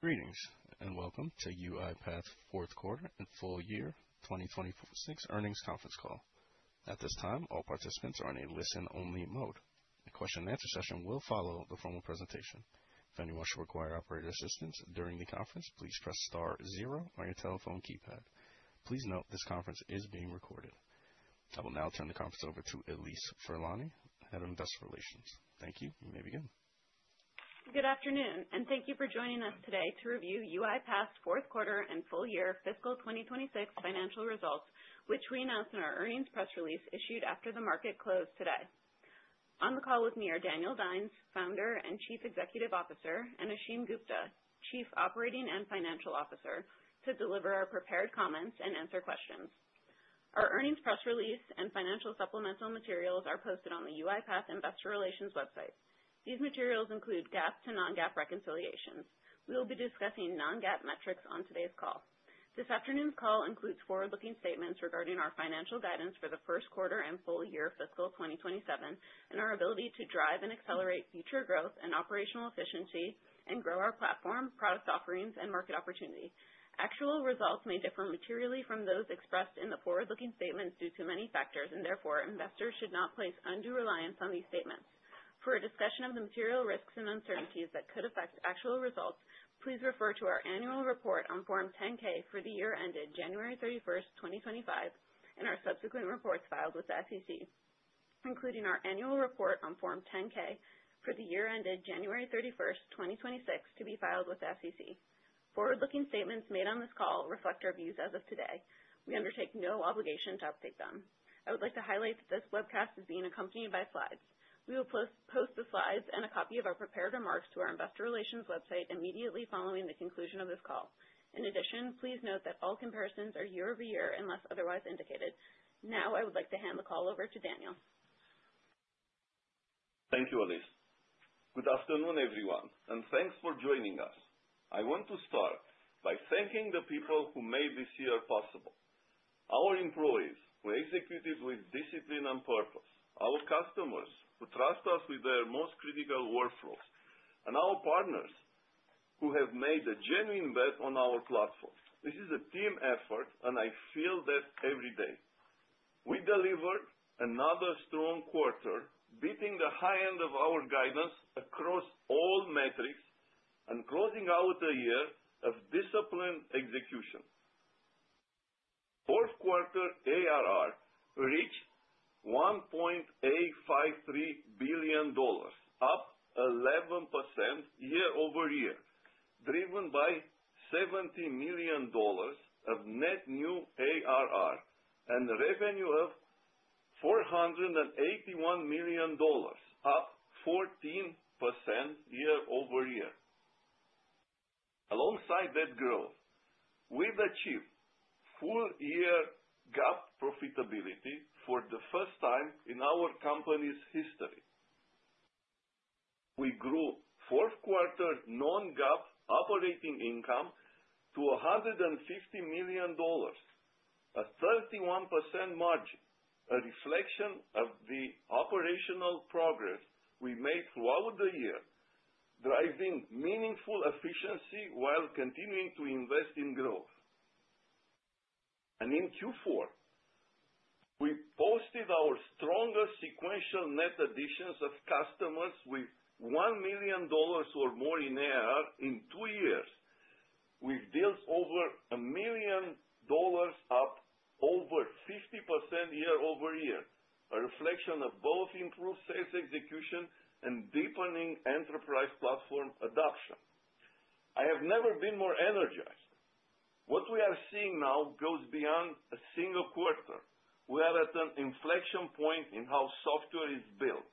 Greetings, and welcome to UiPath Fourth Quarter and Full Year 2026 Earnings Conference Call. At this time, all participants are in a listen-only mode. A question and answer session will follow the formal presentation. If anyone should require operator assistance during the conference, please press star zero on your telephone keypad. Please note this conference is being recorded. I will now turn the conference over to Allise Furlani, Head of Investor Relations. Thank you. You may begin. Good afternoon, and thank you for joining us today to review UiPath's Fourth Quarter and Full Year Fiscal 2026 Financial Results, which we announced in our earnings press release issued after the market closed today. On the call with me are Daniel Dines, Founder and Chief Executive Officer, and Ashim Gupta, Chief Operating and Financial Officer, to deliver our prepared comments and answer questions. Our earnings press release and financial supplemental materials are posted on the UiPath Investor Relations website. These materials include GAAP to non-GAAP reconciliations. We will be discussing non-GAAP metrics on today's call. This afternoon's call includes forward-looking statements regarding our financial guidance for the first quarter and full year fiscal 2027, and our ability to drive and accelerate future growth and operational efficiency and grow our platform, product offerings and market opportunity. Actual results may differ materially from those expressed in the forward-looking statements due to many factors, and therefore, investors should not place undue reliance on these statements. For a discussion of the material risks and uncertainties that could affect actual results, please refer to our annual report on Form 10-K for the year ended January 31st, 2025, and our subsequent reports filed with the SEC, including our annual report on Form 10-K for the year ended January 31st, 2026, to be filed with the SEC. Forward-looking statements made on this call reflect our views as of today. We undertake no obligation to update them. I would like to highlight that this webcast is being accompanied by slides. We will post the slides and a copy of our prepared remarks to our investor relations website immediately following the conclusion of this call. In addition, please note that all comparisons are year-over-year unless otherwise indicated. Now I would like to hand the call over to Daniel. Thank you, Allise. Good afternoon, everyone, and thanks for joining us. I want to start by thanking the people who made this year possible. Our employees, who executed with discipline and purpose, our customers, who trust us with their most critical workflows, and our partners, who have made a genuine bet on our platform. This is a team effort, and I feel that every day. We delivered another strong quarter, beating the high end of our guidance across all metrics and closing out a year of disciplined execution. Fourth quarter ARR reached $1.853 billion, up 11% year-over-year, driven by $70 million of net new ARR and revenue of $481 million, up 14% year-over-year. Alongside that growth, we've achieved full year GAAP profitability for the first time in our company's history. We grew fourth quarter non-GAAP operating income to $150 million, a 31% margin, a reflection of the operational progress we made throughout the year, driving meaningful efficiency while continuing to invest in growth. In Q4, we posted our strongest sequential net additions of customers with $1 million or more in ARR in two years. We've built over $1 million dollars up over 50% year-over-year, a reflection of both improved sales execution and deepening enterprise platform adoption. I have never been more energized. What we are seeing now goes beyond a single quarter. We are at an inflection point in how software is built.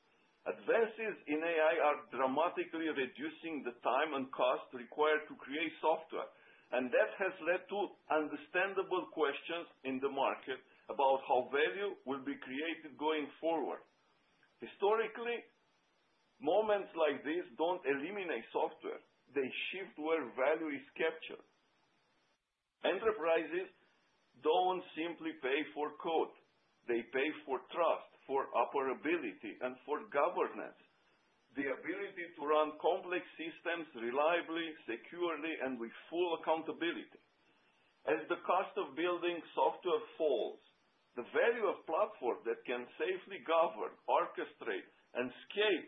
Advances in AI are dramatically reducing the time and cost required to create software, and that has led to understandable questions in the market about how value will be created going forward. Historically, moments like these don't eliminate software. They shift where value is captured. Enterprises don't simply pay for code. They pay for trust, for operability, and for governance. The ability to run complex systems reliably, securely, and with full accountability. As the cost of building software falls, the value of platform that can safely govern, orchestrate, and scale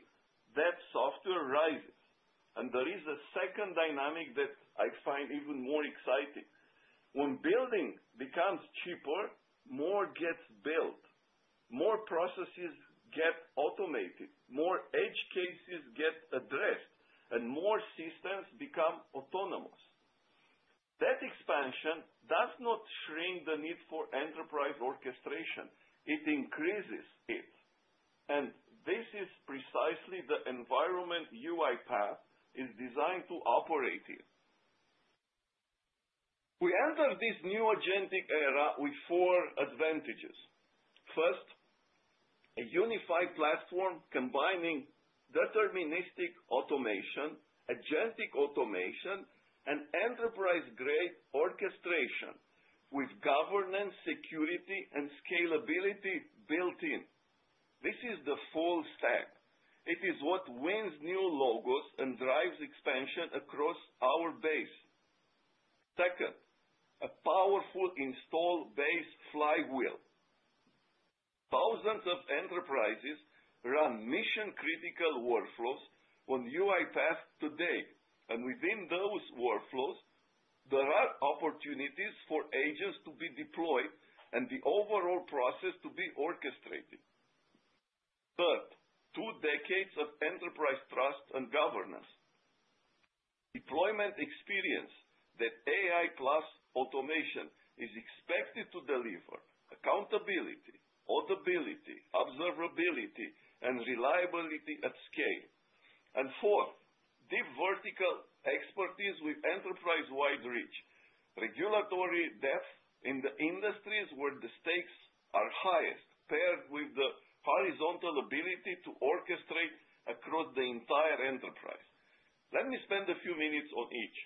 that software rises. There is a second dynamic that I find even more exciting. When building becomes cheaper, more gets built, more processes get automated, more edge cases get addressed, and more systems become autonomous. That expansion does not shrink the need for enterprise orchestration. It increases it. This is precisely the environment UiPath is designed to operate in. We enter this new agentic era with four advantages. First, a unified platform combining deterministic automation, agentic automation, and enterprise-grade orchestration with governance, security, and scalability built in. This is the full stack. It is what wins new logos and drives expansion across our base. Second, a powerful install base flywheel. Thousands of enterprises run mission-critical workflows on UiPath today, and within those workflows, there are opportunities for agents to be deployed and the overall process to be orchestrated. Third, two decades of enterprise trust and governance. Deployment experience that AI-class automation is expected to deliver accountability, auditability, observability, and reliability at scale. Fourth, deep vertical expertise with enterprise-wide reach. Regulatory depth in the industries where the stakes are highest, paired with the horizontal ability to orchestrate across the entire enterprise. Let me spend a few minutes on each.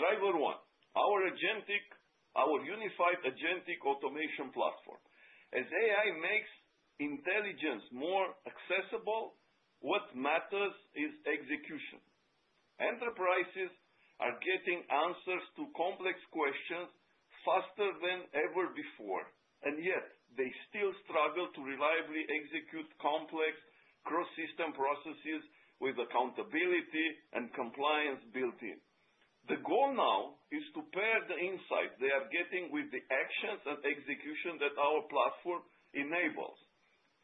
Driver one: our unified Agentic Automation Platform. As AI makes intelligence more accessible, what matters is execution. Enterprises are getting answers to complex questions faster than ever before, and yet they still struggle to reliably execute complex cross-system processes with accountability and compliance built in. The goal now is to pair the insight they are getting with the actions and execution that our platform enables.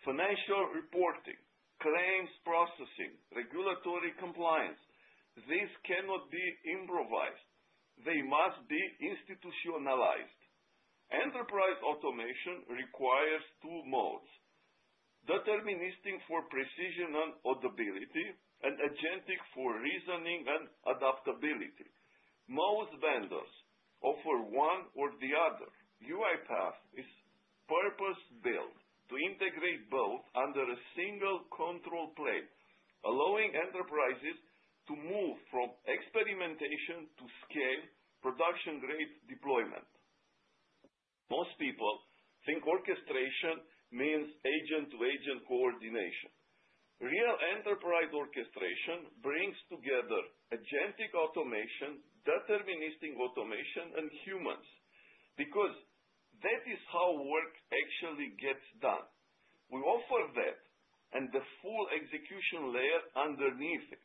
Financial reporting, claims processing, regulatory compliance. These cannot be improvised. They must be institutionalized. Enterprise automation requires two modes, deterministic for precision and auditability, and agentic for reasoning and adaptability. Most vendors offer one or the other. UiPath is purpose-built to integrate both under a single control plane, allowing enterprises to move from experimentation to scale production-grade deployment. Most people think orchestration means agent-to-agent coordination. Real enterprise orchestration brings together agentic automation, deterministic automation, and humans, because that is how work actually gets done. We offer that and the full execution layer underneath it,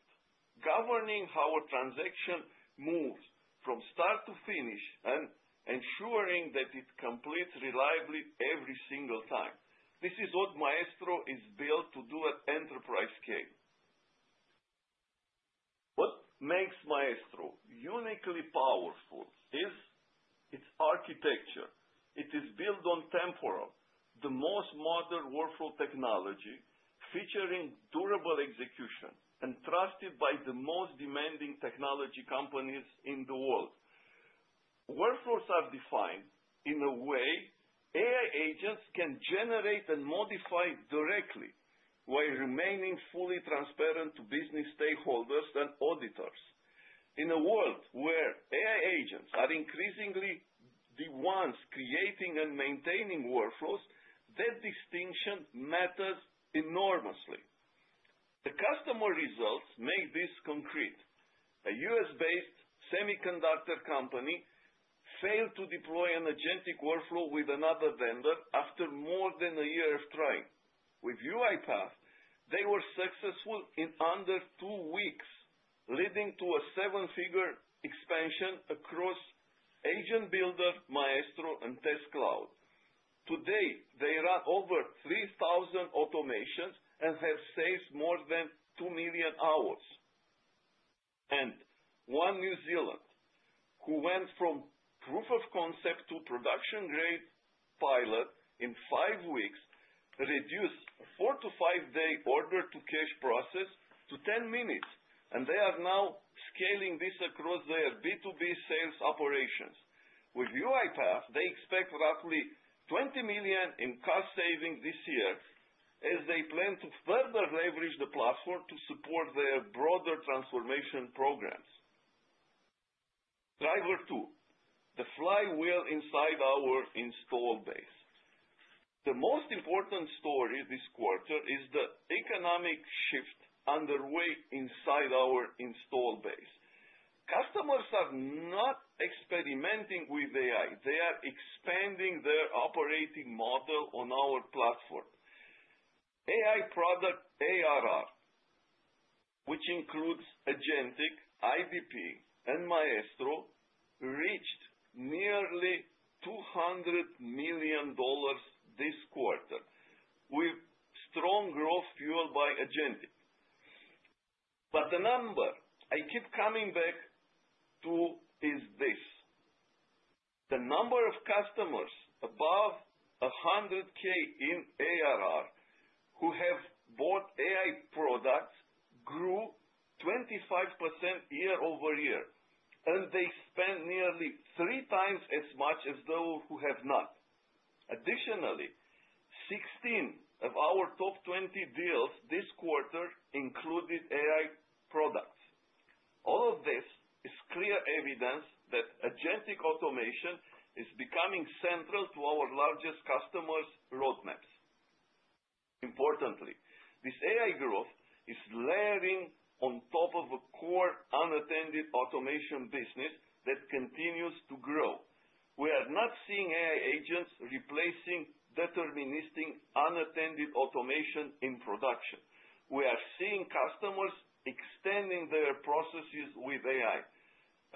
governing how a transaction moves from start to finish and ensuring that it completes reliably every single time. This is what Maestro is built to do at enterprise scale. What makes Maestro uniquely powerful is its architecture. It is built on Temporal, the most modern workflow technology, featuring durable execution and trusted by the most demanding technology companies in the world. Workflows are defined in a way AI agents can generate and modify directly while remaining fully transparent to business stakeholders and auditors. In a world where AI agents are increasingly the ones creating and maintaining workflows, that distinction matters enormously. The customer results make this concrete. A U.S.-based semiconductor company failed to deploy an agentic workflow with another vendor after more than a year of trying. With UiPath, they were successful in under two weeks, leading to a seven-figure expansion across Agent Builder, Maestro, and Test Cloud. Today, they run over 3,000 automations and have saved more than two million hours. One New Zealand, who went from proof of concept to production-grade pilot in five weeks, reduced a four to five-day order to cash process to 10 minutes, and they are now scaling this across their B2B sales operations. With UiPath, they expect roughly $20 million in cost savings this year as they plan to further leverage the platform to support their broader transformation programs. Driver two: the flywheel inside our install base. The most important story this quarter is the economic shift underway inside our install base. Customers are not experimenting with AI. They are expanding their operating model on our platform. AI product ARR, which includes Agentic, IDP, and Maestro, reached nearly $200 million this quarter with strong growth fueled by Agentic. The number I keep coming back to is this. The number of customers above $100,000 in ARR who have bought AI products grew 25% year-over-year, and they spend nearly 3x as much as those who have not. Additionally, 16 of our top 20 deals this quarter included AI products. All of this clear evidence that Agentic automation is becoming central to our largest customers' roadmaps. Importantly, this AI growth is layering on top of a core unattended automation business that continues to grow. We are not seeing AI agents replacing deterministic unattended automation in production. We are seeing customers extending their processes with AI.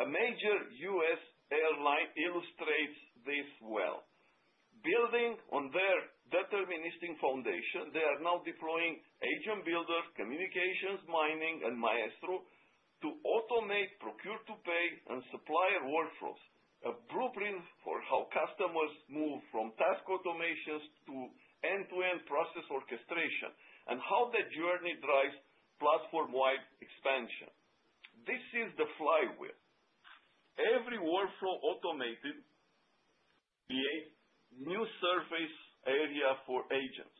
A major U.S. airline illustrates this well. Building on their deterministic foundation, they are now deploying Agent Builder, Communications Mining, and Maestro to automate procure-to-pay and supplier workflows. A blueprint for how customers move from task automations to end-to-end process orchestration, and how that journey drives platform-wide expansion. This is the flywheel. Every workflow automated creates new surface area for agents.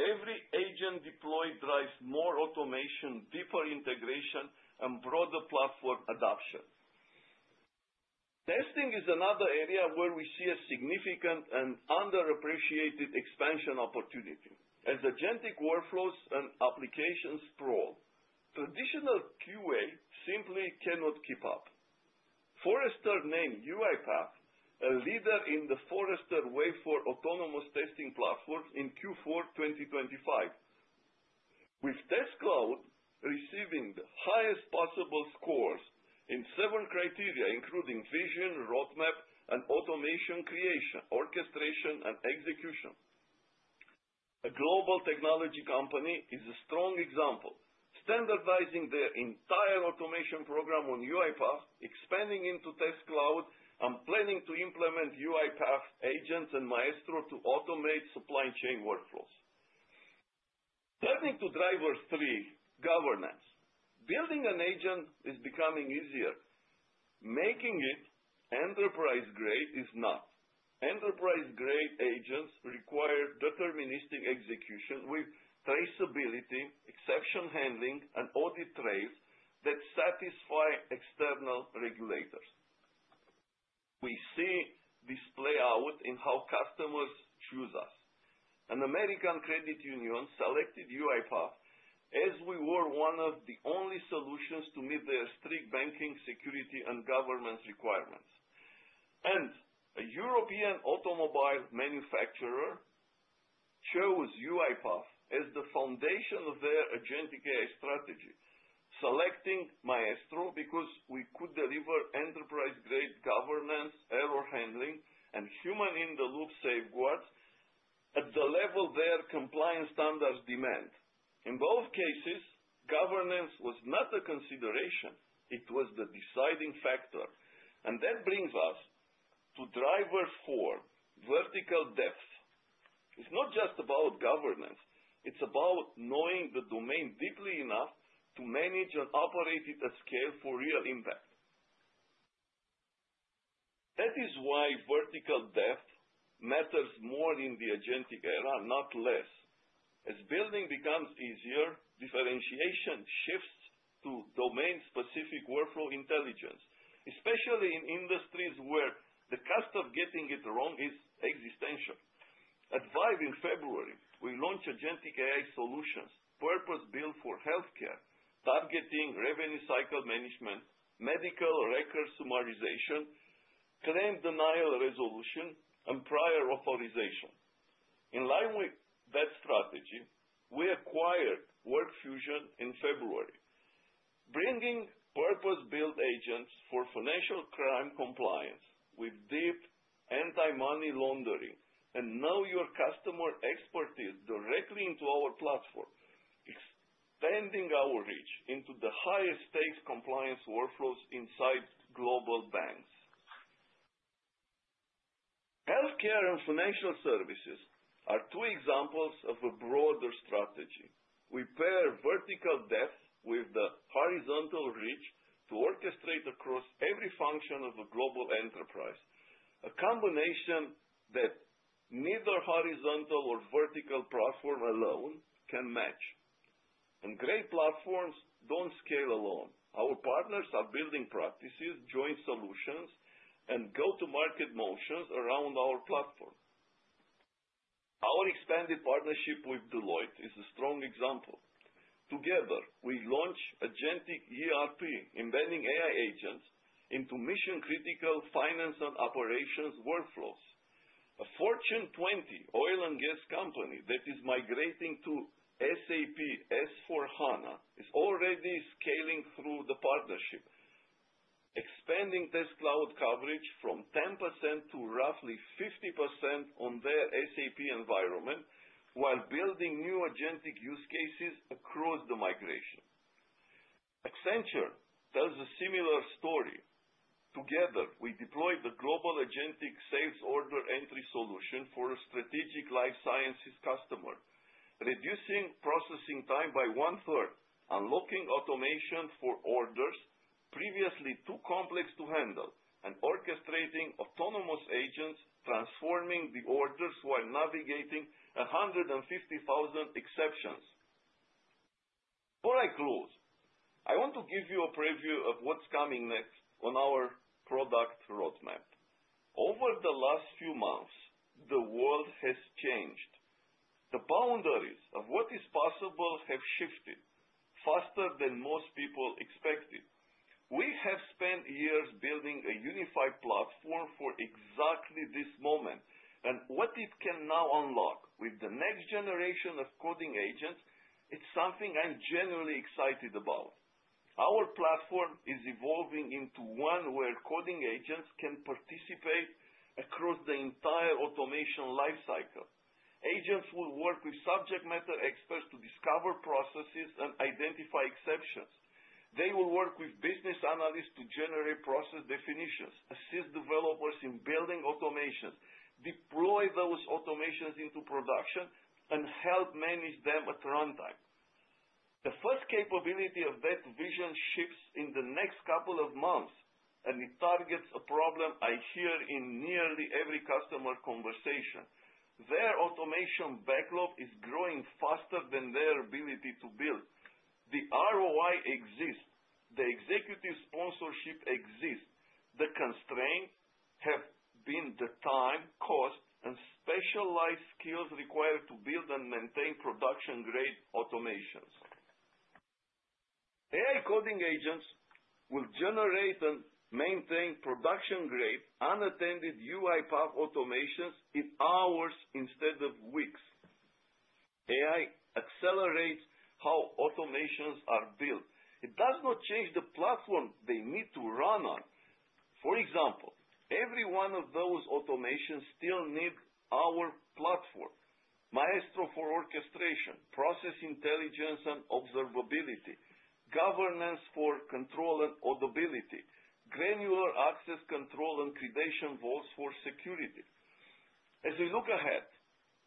Every agent deployed drives more automation, deeper integration, and broader platform adoption. Testing is another area where we see a significant and underappreciated expansion opportunity. As agentic workflows and applications sprawl, traditional QA simply cannot keep up. Forrester named UiPath a leader in the Forrester Wave for Autonomous Testing Platforms in Q4 2025. With Test Cloud receiving the highest possible scores in seven criteria, including vision, roadmap, and automation creation, orchestration, and execution. A global technology company is a strong example. Standardizing their entire automation program on UiPath, expanding into Test Cloud, and planning to implement UiPath agents and Maestro to automate supply chain workflows. Turning to driver three, governance. Building an agent is becoming easier. Making it enterprise-grade is not. Enterprise-grade agents require deterministic execution with traceability, exception handling, and audit trace that satisfy external regulators. We see this play out in how customers choose us. An American credit union selected UiPath as we were one of the only solutions to meet their strict banking, security, and governance requirements. A European automobile manufacturer chose UiPath as the foundation of their agentic AI strategy, selecting Maestro because we could deliver enterprise-grade governance, error handling, and human-in-the-loop safeguards at the level their compliance standards demand. In both cases, governance was not a consideration, it was the deciding factor. That brings us to driver four, vertical depth. It's not just about governance. It's about knowing the domain deeply enough to manage and operate it at scale for real impact. That is why vertical depth matters more in the agentic era, not less. As building becomes easier, differentiation shifts to domain-specific workflow intelligence, especially in industries where the cost of getting it wrong is existential. At ViVE in February, we launched agentic AI solutions purpose-built for healthcare, targeting revenue cycle management, medical record summarization, claim denial resolution, and prior authorization. In line with that strategy, we acquired WorkFusion in February, bringing purpose-built agents for financial crime compliance with deep anti-money laundering and know your customer expertise directly into our platform, expanding our reach into the highest stakes compliance workflows inside global banks. Healthcare and financial services are two examples of a broader strategy. We pair vertical depth with the horizontal reach to orchestrate across every function of a global enterprise. A combination that neither horizontal or vertical platform alone can match. Great platforms don't scale alone. Our partners are building practices, joint solutions, and go-to-market motions around our platform. Our expanded partnership with Deloitte is a strong example. Together, we launch agentic ERP, embedding AI agents into mission-critical finance and operations workflows. A Fortune 20 oil and gas company that is migrating to SAP S/4HANA is already scaling through the partnership, expanding Test Cloud coverage from 10% to roughly 50% on their SAP environment, while building new agentic use cases across the migration. Accenture tells a similar story. Together, we deployed the global agentic sales order entry solution for a strategic life sciences customer, reducing processing time by 1/3, unlocking automation for orders previously too complex to handle, and orchestrating autonomous agents transforming the orders while navigating 150,000 exceptions. Before I close, I want to give you a preview of what's coming next on our product roadmap. Over the last few months, the world has changed. The boundaries of what is possible have shifted faster than most people expected. We have spent years building a unified platform for exactly this moment, and what it can now unlock with the next generation of coding agents is something I'm genuinely excited about. Our platform is evolving into one where coding agents can participate across the entire automation lifecycle. Agents will work with subject matter experts to discover processes and identify exceptions. They will work with business analysts to generate process definitions, assist developers in building automations, deploy those automations into production, and help manage them at runtime. The first capability of that vision shifts in the next couple of months, and it targets a problem I hear in nearly every customer conversation. Their automation backlog is growing faster than their ability to build. The ROI exists, the executive sponsorship exists. The constraints have been the time, cost, and specialized skills required to build and maintain production-grade automations. AI coding agents will generate and maintain production-grade unattended UiPath automations in hours instead of weeks. AI accelerates how automations are built. It does not change the platform they need to run on. For example, every one of those automations still need our platform, Maestro for orchestration, Process intelligence and observability, governance for control and auditability, granular access control and credential vaults for security. As we look ahead,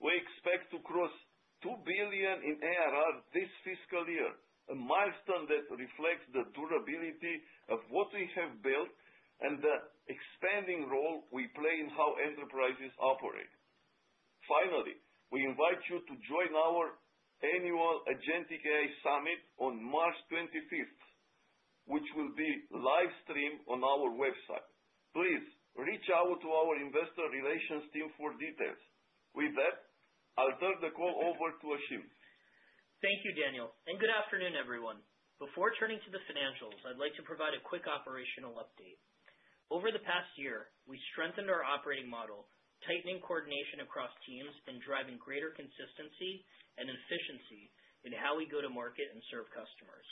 we expect to cross $2 billion in ARR this fiscal year, a milestone that reflects the durability of what we have built and the expanding role we play in how enterprises operate. Finally, we invite you to join our annual Agentic AI Summit on March 25th, which will be live-streamed on our website. Please reach out to our investor relations team for details. With that, I'll turn the call over to Ashim. Thank you, Daniel, and good afternoon, everyone. Before turning to the financials, I'd like to provide a quick operational update. Over the past year, we strengthened our operating model, tightening coordination across teams, and driving greater consistency and efficiency in how we go to market and serve customers.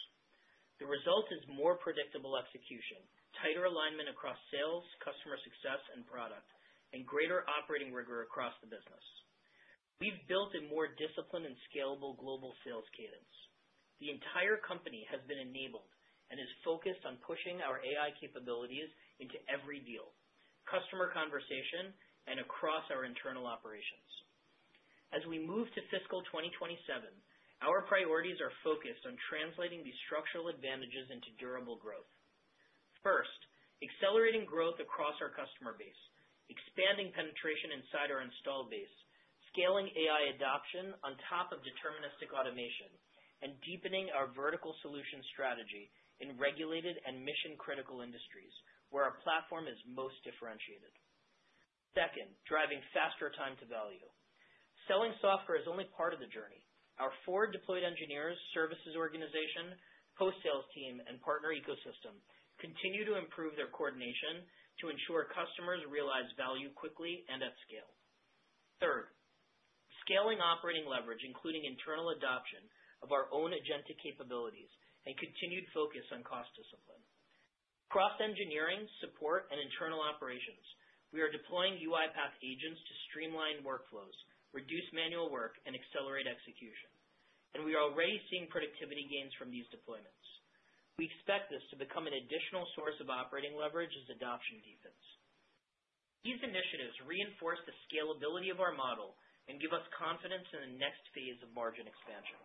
The result is more predictable execution, tighter alignment across sales, customer success and product, and greater operating rigor across the business. We've built a more disciplined and scalable global sales cadence. The entire company has been enabled and is focused on pushing our AI capabilities into every deal, customer conversation, and across our internal operations. As we move to fiscal 2027, our priorities are focused on translating these structural advantages into durable growth. First, accelerating growth across our customer base, expanding penetration inside our install base, scaling AI adoption on top of deterministic automation, and deepening our vertical solution strategy in regulated and mission-critical industries where our platform is most differentiated. Second, driving faster time to value. Selling software is only part of the journey. Our four deployed engineers, services organization, post-sales team, and partner ecosystem continue to improve their coordination to ensure customers realize value quickly and at scale. Third, scaling operating leverage, including internal adoption of our own agentic capabilities and continued focus on cost discipline. Across engineering, support, and internal operations, we are deploying UiPath agents to streamline workflows, reduce manual work, and accelerate execution, and we are already seeing productivity gains from these deployments. We expect this to become an additional source of operating leverage as adoption deepens. These initiatives reinforce the scalability of our model and give us confidence in the next phase of margin expansion.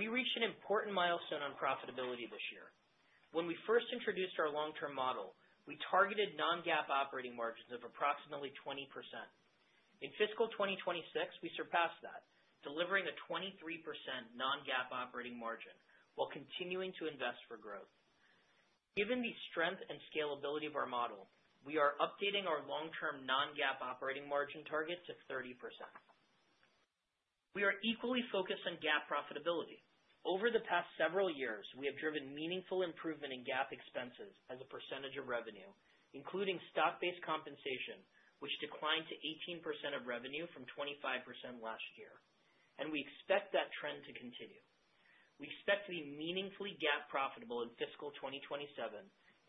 We reached an important milestone on profitability this year. When we first introduced our long-term model, we targeted non-GAAP operating margins of approximately 20%. In fiscal 2026, we surpassed that, delivering a 23% non-GAAP operating margin while continuing to invest for growth. Given the strength and scalability of our model, we are updating our long-term non-GAAP operating margin targets of 30%. We are equally focused on GAAP profitability. Over the past several years, we have driven meaningful improvement in GAAP expenses as a percentage of revenue, including stock-based compensation, which declined to 18% of revenue from 25% last year. We expect that trend to continue. We expect to be meaningfully GAAP profitable in fiscal 2027,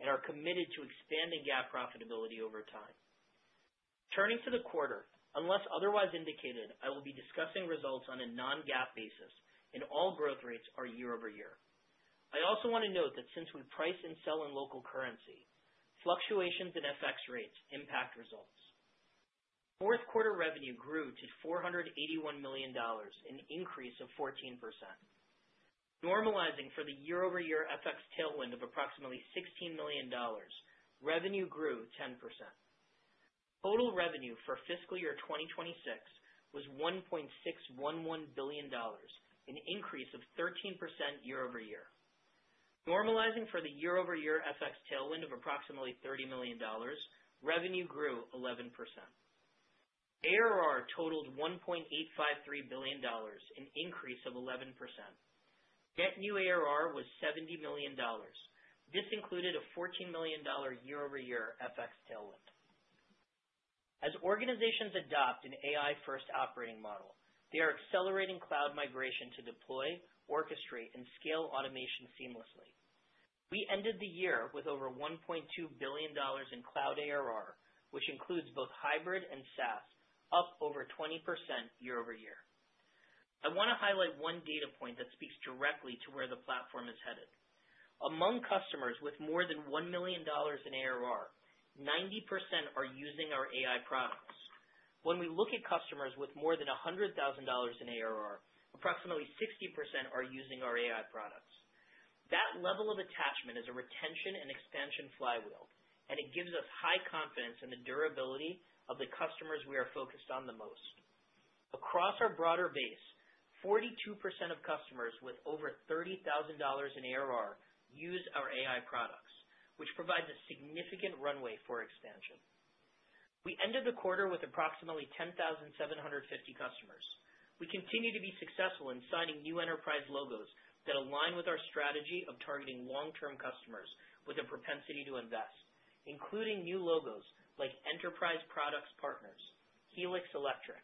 and are committed to expanding GAAP profitability over time. Turning to the quarter, unless otherwise indicated, I will be discussing results on a non-GAAP basis, and all growth rates are year-over-year. I also want to note that since we price and sell in local currency, fluctuations in FX rates impact results. Fourth quarter revenue grew to $481 million, an increase of 14%. Non-GAAP. Normalizing for the year-over-year FX tailwind of approximately $16 million, revenue grew 10%. Total revenue for fiscal year 2026 was $1.611 billion, an increase of 13% year-over-year. Normalizing for the year-over-year FX tailwind of approximately $30 million, revenue grew 11%. ARR totaled $1.853 billion, an increase of 11%. Net new ARR was $70 million. This included a $14 million year-over-year FX tailwind. As organizations adopt an AI-first operating model, they are accelerating cloud migration to deploy, orchestrate, and scale automation seamlessly. We ended the year with over $1.2 billion in cloud ARR, which includes both hybrid and SaaS, up over 20% year-over-year. I wanna highlight one data point that speaks directly to where the platform is headed. Among customers with more than $1 million in ARR, 90% are using our AI products. When we look at customers with more than $100,000 in ARR, approximately 60% are using our AI products. That level of attachment is a retention and expansion flywheel, and it gives us high confidence in the durability of the customers we are focused on the most. Across our broader base, 42% of customers with over $30,000 in ARR use our AI products, which provides a significant runway for expansion. We ended the quarter with approximately 10,750 customers. We continue to be successful in signing new enterprise logos that align with our strategy of targeting long-term customers with a propensity to invest, including new logos like Enterprise Products Partners, Helix Electric,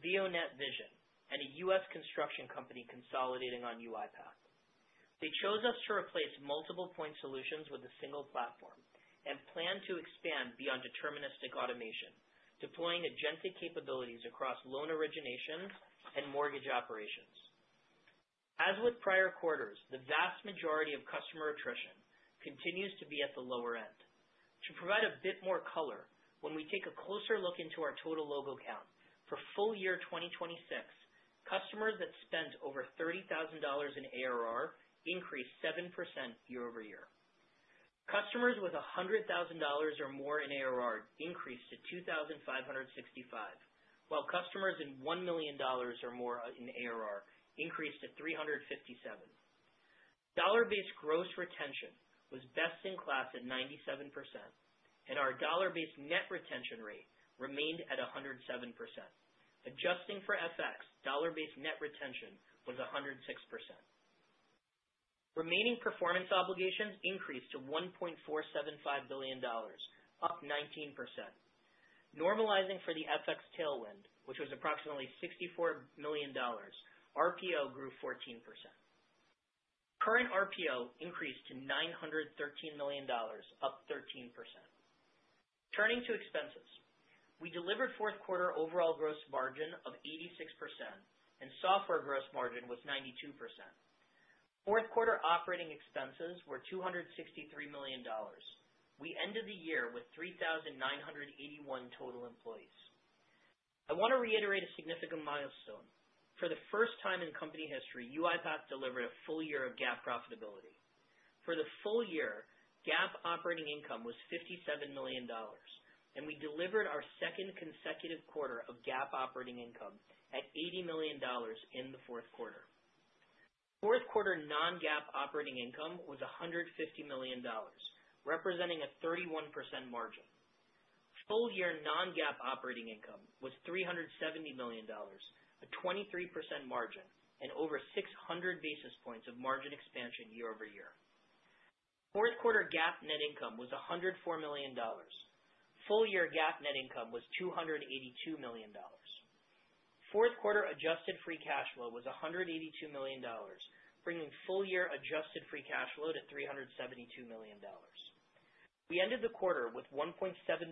Vionet Vision, and a US construction company consolidating on UiPath. They chose us to replace multiple point solutions with a single platform and plan to expand beyond deterministic automation, deploying agentic capabilities across loan origination and mortgage operations. As with prior quarters, the vast majority of customer attrition continues to be at the lower end. To provide a bit more color, when we take a closer look into our total logo count for full year 2026, customers that spent over $30,000 in ARR increased 7% year-over-year. Customers with $100,000 or more in ARR increased to 2,565, while customers in $1 million or more in ARR increased to 357. Dollar-based gross retention was best in class at 97%, and our dollar-based net retention rate remained at a 107%. Adjusting for FX, dollar-based net retention was a 106%. Remaining performance obligations increased to $1.475 billion, up 19%. Normalizing for the FX tailwind, which was approximately $64 million, RPO grew 14%. Current RPO increased to $913 million, up 13%. Turning to expenses. We delivered fourth quarter overall gross margin of 86%, and software gross margin was 92%. Fourth quarter operating expenses were $263 million. We ended the year with 3,981 total employees. I wanna reiterate a significant milestone. For the first time in company history, UiPath delivered a full year of GAAP profitability. For the full year, GAAP operating income was $57 million, and we delivered our second consecutive quarter of GAAP operating income at $80 million in the fourth quarter. Fourth quarter non-GAAP operating income was $150 million, representing a 31% margin. Full year non-GAAP operating income was $370 million, a 23% margin, and over 600 basis points of margin expansion year over year. Fourth quarter GAAP net income was $104 million. Full year GAAP net income was $282 million. Fourth quarter adjusted free cash flow was $182 million, bringing full year adjusted free cash flow to $372 million. We ended the quarter with $1.7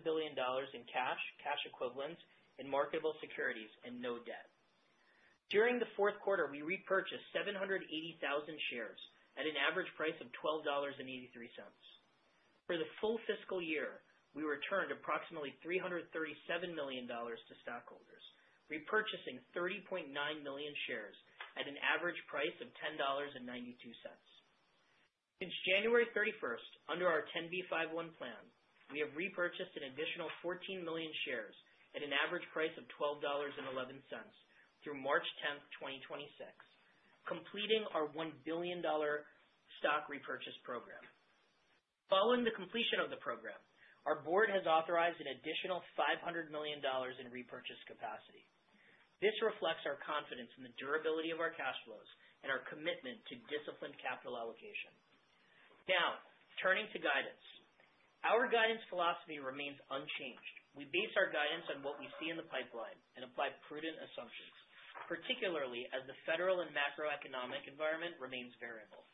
billion in cash equivalents, and marketable securities, and no debt. During the fourth quarter, we repurchased 780,000 shares at an average price of $12.83. For the full fiscal year, we returned approximately $337 million to stockholders, repurchasing 30.9 million shares at an average price of $10.92. Since January 31st, under our 10b5-1 plan, we have repurchased an additional 14 million shares at an average price of $12.11 through March 10th, 2026, completing our $1 billion stock repurchase program. Following the completion of the program, our board has authorized an additional $500 million in repurchase capacity. This reflects our confidence in the durability of our cash flows and our commitment to disciplined capital allocation. Now, turning to guidance. Our guidance philosophy remains unchanged. We base our guidance on what we see in the pipeline and apply prudent assumptions, particularly as the federal and macroeconomic environment remains variable.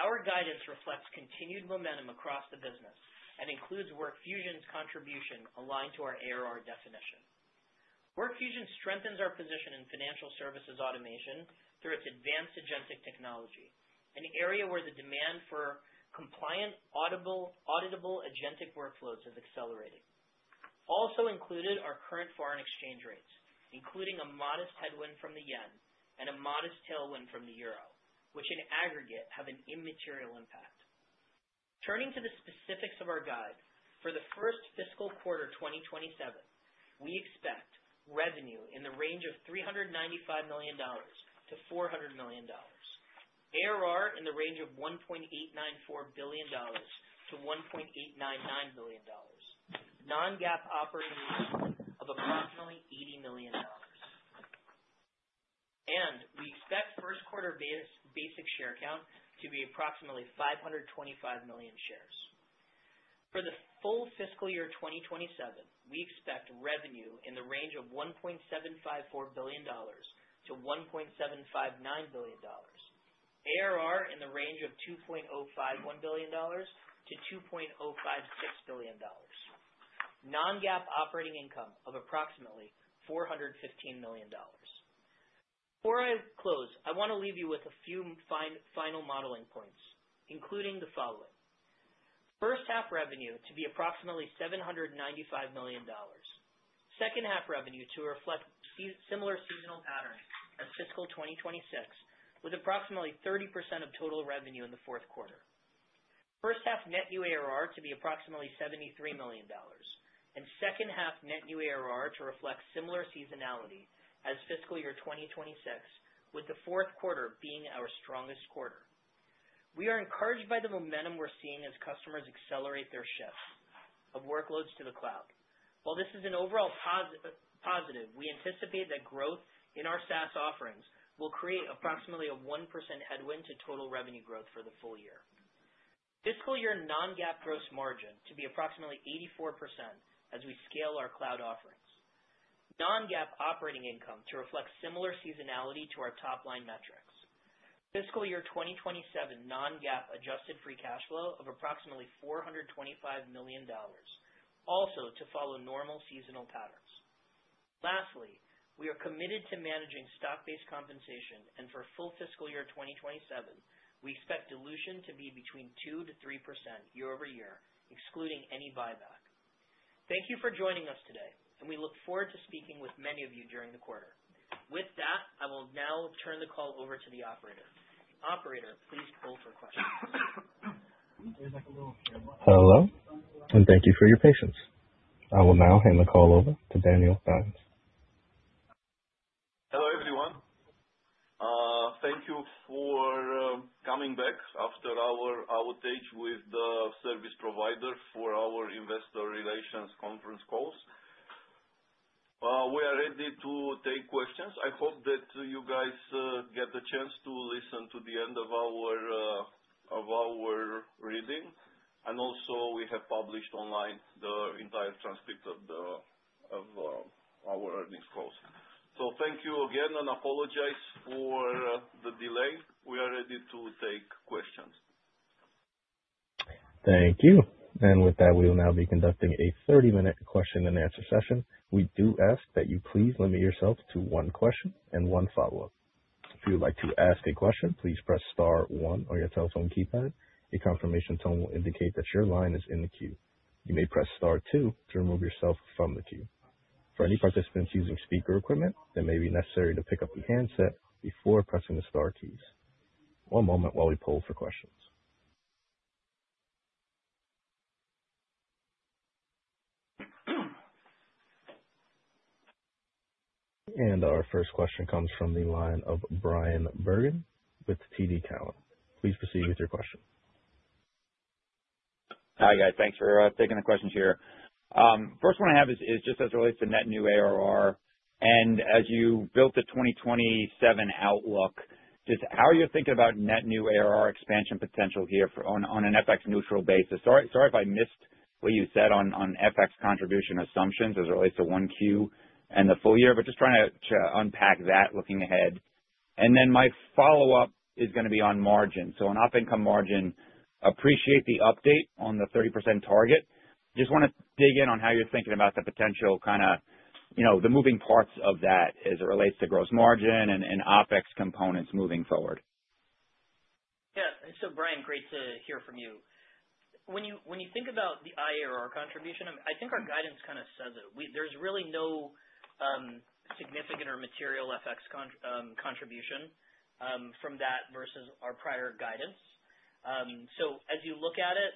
Our guidance reflects continued momentum across the business and includes WorkFusion's contribution aligned to our ARR definition. WorkFusion strengthens our position in financial services automation through its advanced agentic technology, an area where compliant, audible, auditable agentic workloads have accelerated. Also included are current foreign exchange rates, including a modest headwind from the yen and a modest tailwind from the euro, which in aggregate have an immaterial impact. Turning to the specifics of our guidance. For the first fiscal quarter 2027, we expect revenue in the range of $395 million-$400 million. ARR in the range of $1.894 billion-$1.899 billion. Non-GAAP operating income of approximately $80 million. We expect first quarter basic share count to be approximately 525 million shares. For the full fiscal year 2027, we expect revenue in the range of $1.754 billion-$1.759 billion. ARR in the range of $2.051 billion-$2.056 billion. Non-GAAP operating income of approximately $415 million. Before I close, I wanna leave you with a few final modeling points, including the following. First half revenue to be approximately $795 million. Second half revenue to reflect similar seasonal patterns as fiscal 2026, with approximately 30% of total revenue in the fourth quarter. First half net new ARR to be approximately $73 million. Second half net new ARR to reflect similar seasonality as fiscal year 2026, with the fourth quarter being our strongest quarter. We are encouraged by the momentum we're seeing as customers accelerate their shift of workloads to the cloud. While this is an overall positive, we anticipate that growth in our SaaS offerings will create approximately a 1% headwind to total revenue growth for the full year. Fiscal year non-GAAP gross margin to be approximately 84% as we scale our cloud offerings. Non-GAAP operating income to reflect similar seasonality to our top line metrics. Fiscal year 2027 non-GAAP adjusted free cash flow of approximately $425 million, also to follow normal seasonal patterns. Lastly, we are committed to managing stock-based compensation, and for full fiscal year 2027, we expect dilution to be between 2%-3% year-over-year, excluding any buyback. Thank you for joining us today, and we look forward to speaking with many of you during the quarter. With that, I will now turn the call over to the operator. Operator, please poll for questions. Hello, and thank you for your patience. I will now hand the call over to Daniel Dines. Hello, everyone. Thank you for coming back after our outage with the service provider for our investor relations conference calls. We are ready to take questions. I hope that you guys get the chance to listen to the end of our reading, and also we have published online the entire transcript of our earnings calls. Thank you again, and apologize for the delay. We are ready to take questions. Thank you. With that, we will now be conducting a 30-minute question and answer session. We do ask that you please limit yourself to one question and one follow-up. If you would like to ask a question, please press star one on your telephone keypad. A confirmation tone will indicate that your line is in the queue. You may press star two to remove yourself from the queue. For any participants using speaker equipment, it may be necessary to pick up the handset before pressing the star keys. One moment while we pull for questions. Our first question comes from the line of Bryan Bergin with TD Cowen. Please proceed with your question. Hi, guys. Thanks for taking the questions here. First one I have is just as it relates to net new ARR, and as you built the 2027 outlook, just how are you thinking about net new ARR expansion potential here on an FX neutral basis? Sorry if I missed what you said on FX contribution assumptions as it relates to 1Q and the full year, but just trying to unpack that looking ahead. My follow-up is gonna be on margin. On op income margin, appreciate the update on the 30% target. Just wanna dig in on how you're thinking about the potential kinda, you know, the moving parts of that as it relates to gross margin and OpEx components moving forward. Yeah. Bryan, great to hear from you. When you think about the ARR contribution, I think our guidance kinda says it. There's really no significant or material FX contribution from that versus our prior guidance. As you look at it,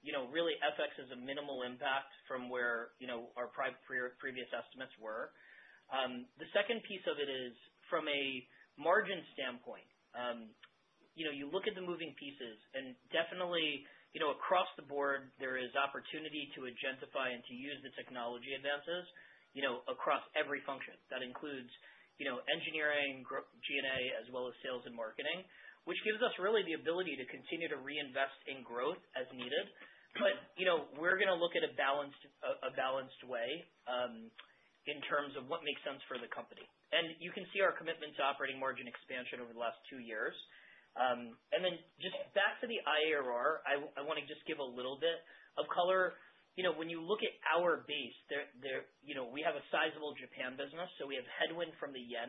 you know, really FX is a minimal impact from where, you know, our previous estimates were. The second piece of it is from a margin standpoint, you know, you look at the moving pieces, and definitely, you know, across the board, there is opportunity to agentify and to use the technology advances, you know, across every function. That includes, you know, engineering, G&A, as well as sales and marketing, which gives us really the ability to continue to reinvest in growth as needed. You know, we're gonna look at a balanced way in terms of what makes sense for the company. You can see our commitment to operating margin expansion over the last two years. Then just back to the ARR. Just give a little bit of color. You know, when you look at our base, you know, we have a sizable Japan business, so we have headwind from the yen,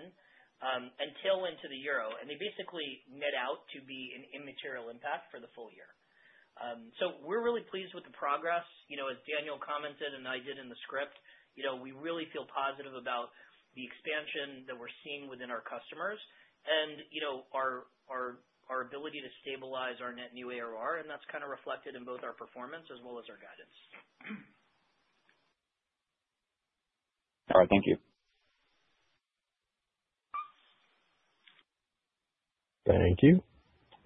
and tailwind to the euro, and they basically net out to be an immaterial impact for the full year. We're really pleased with the progress. You know, as Daniel commented and I did in the script, you know, we really feel positive about the expansion that we're seeing within our customers and, you know, our ability to stabilize our net new ARR, and that's kinda reflected in both our performance as well as our guidance. All right. Thank you. Thank you.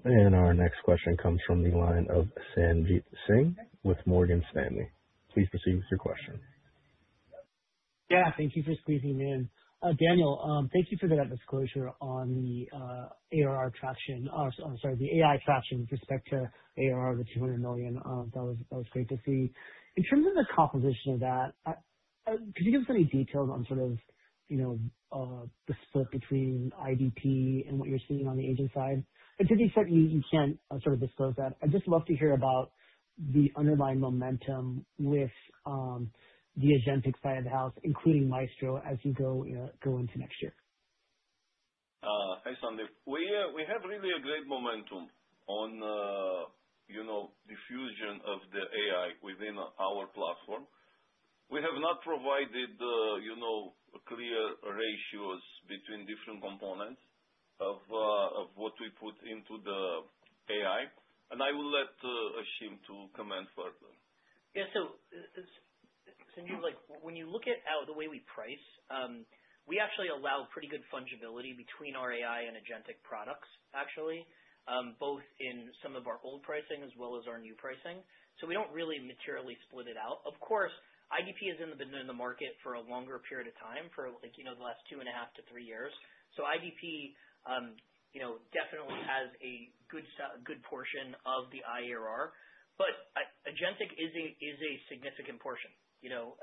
Our next question comes from the line of Sanjit Singh with Morgan Stanley. Please proceed with your question. Yeah, thank you for squeezing me in. Daniel, thank you for that disclosure on the ARR traction. Sorry, the AI traction with respect to ARR, the $200 million. That was great to see. In terms of the composition of that, could you give us any details on sort of, you know, the split between IDP and what you're seeing on the agent side? To the extent you can't sort of disclose that, I'd just love to hear about the underlying momentum with the agentic side of the house, including Maestro, as you go, you know, go into next year. Hi, Sanjit. We have really a great momentum on diffusion of the AI within our platform. We have not provided clear ratios between different components of what we put into the AI, and I will let Ashim to comment further. Sanjit, like when you look at how the way we price, we actually allow pretty good fungibility between our AI and agentic products, actually, both in some of our old pricing as well as our new pricing. We don't really materially split it out. Of course, IDP has been in the market for a longer period of time, for like, you know, the last 2.5–3 years. IDP, you know, definitely has a good portion of the ARR, but agentic is a significant portion, you know,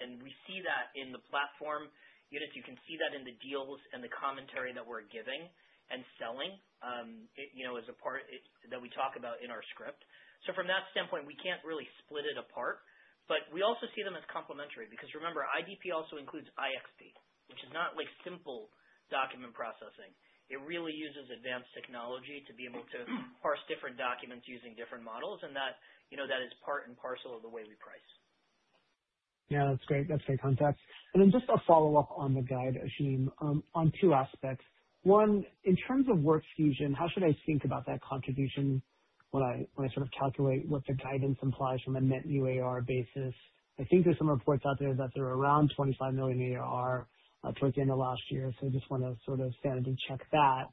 and we see that in the platform units. You can see that in the deals and the commentary that we're giving and selling, you know, as a part that we talk about in our script. From that standpoint, we can't really split it apart, but we also see them as complementary because remember, IDP also includes IXP, which is not like simple document processing. It really uses advanced technology to be able to parse different documents using different models, and that, you know, is part and parcel of the way we price. Yeah, that's great. That's great context. Just a follow-up on the guide, Ashim, on two aspects. One, in terms of WorkFusion, how should I think about that contribution when I sort of calculate what the guidance implies from a net new ARR basis? I think there's some reports out there that they're around $25 million ARR towards the end of last year, so I just wanna sort of sanity check that.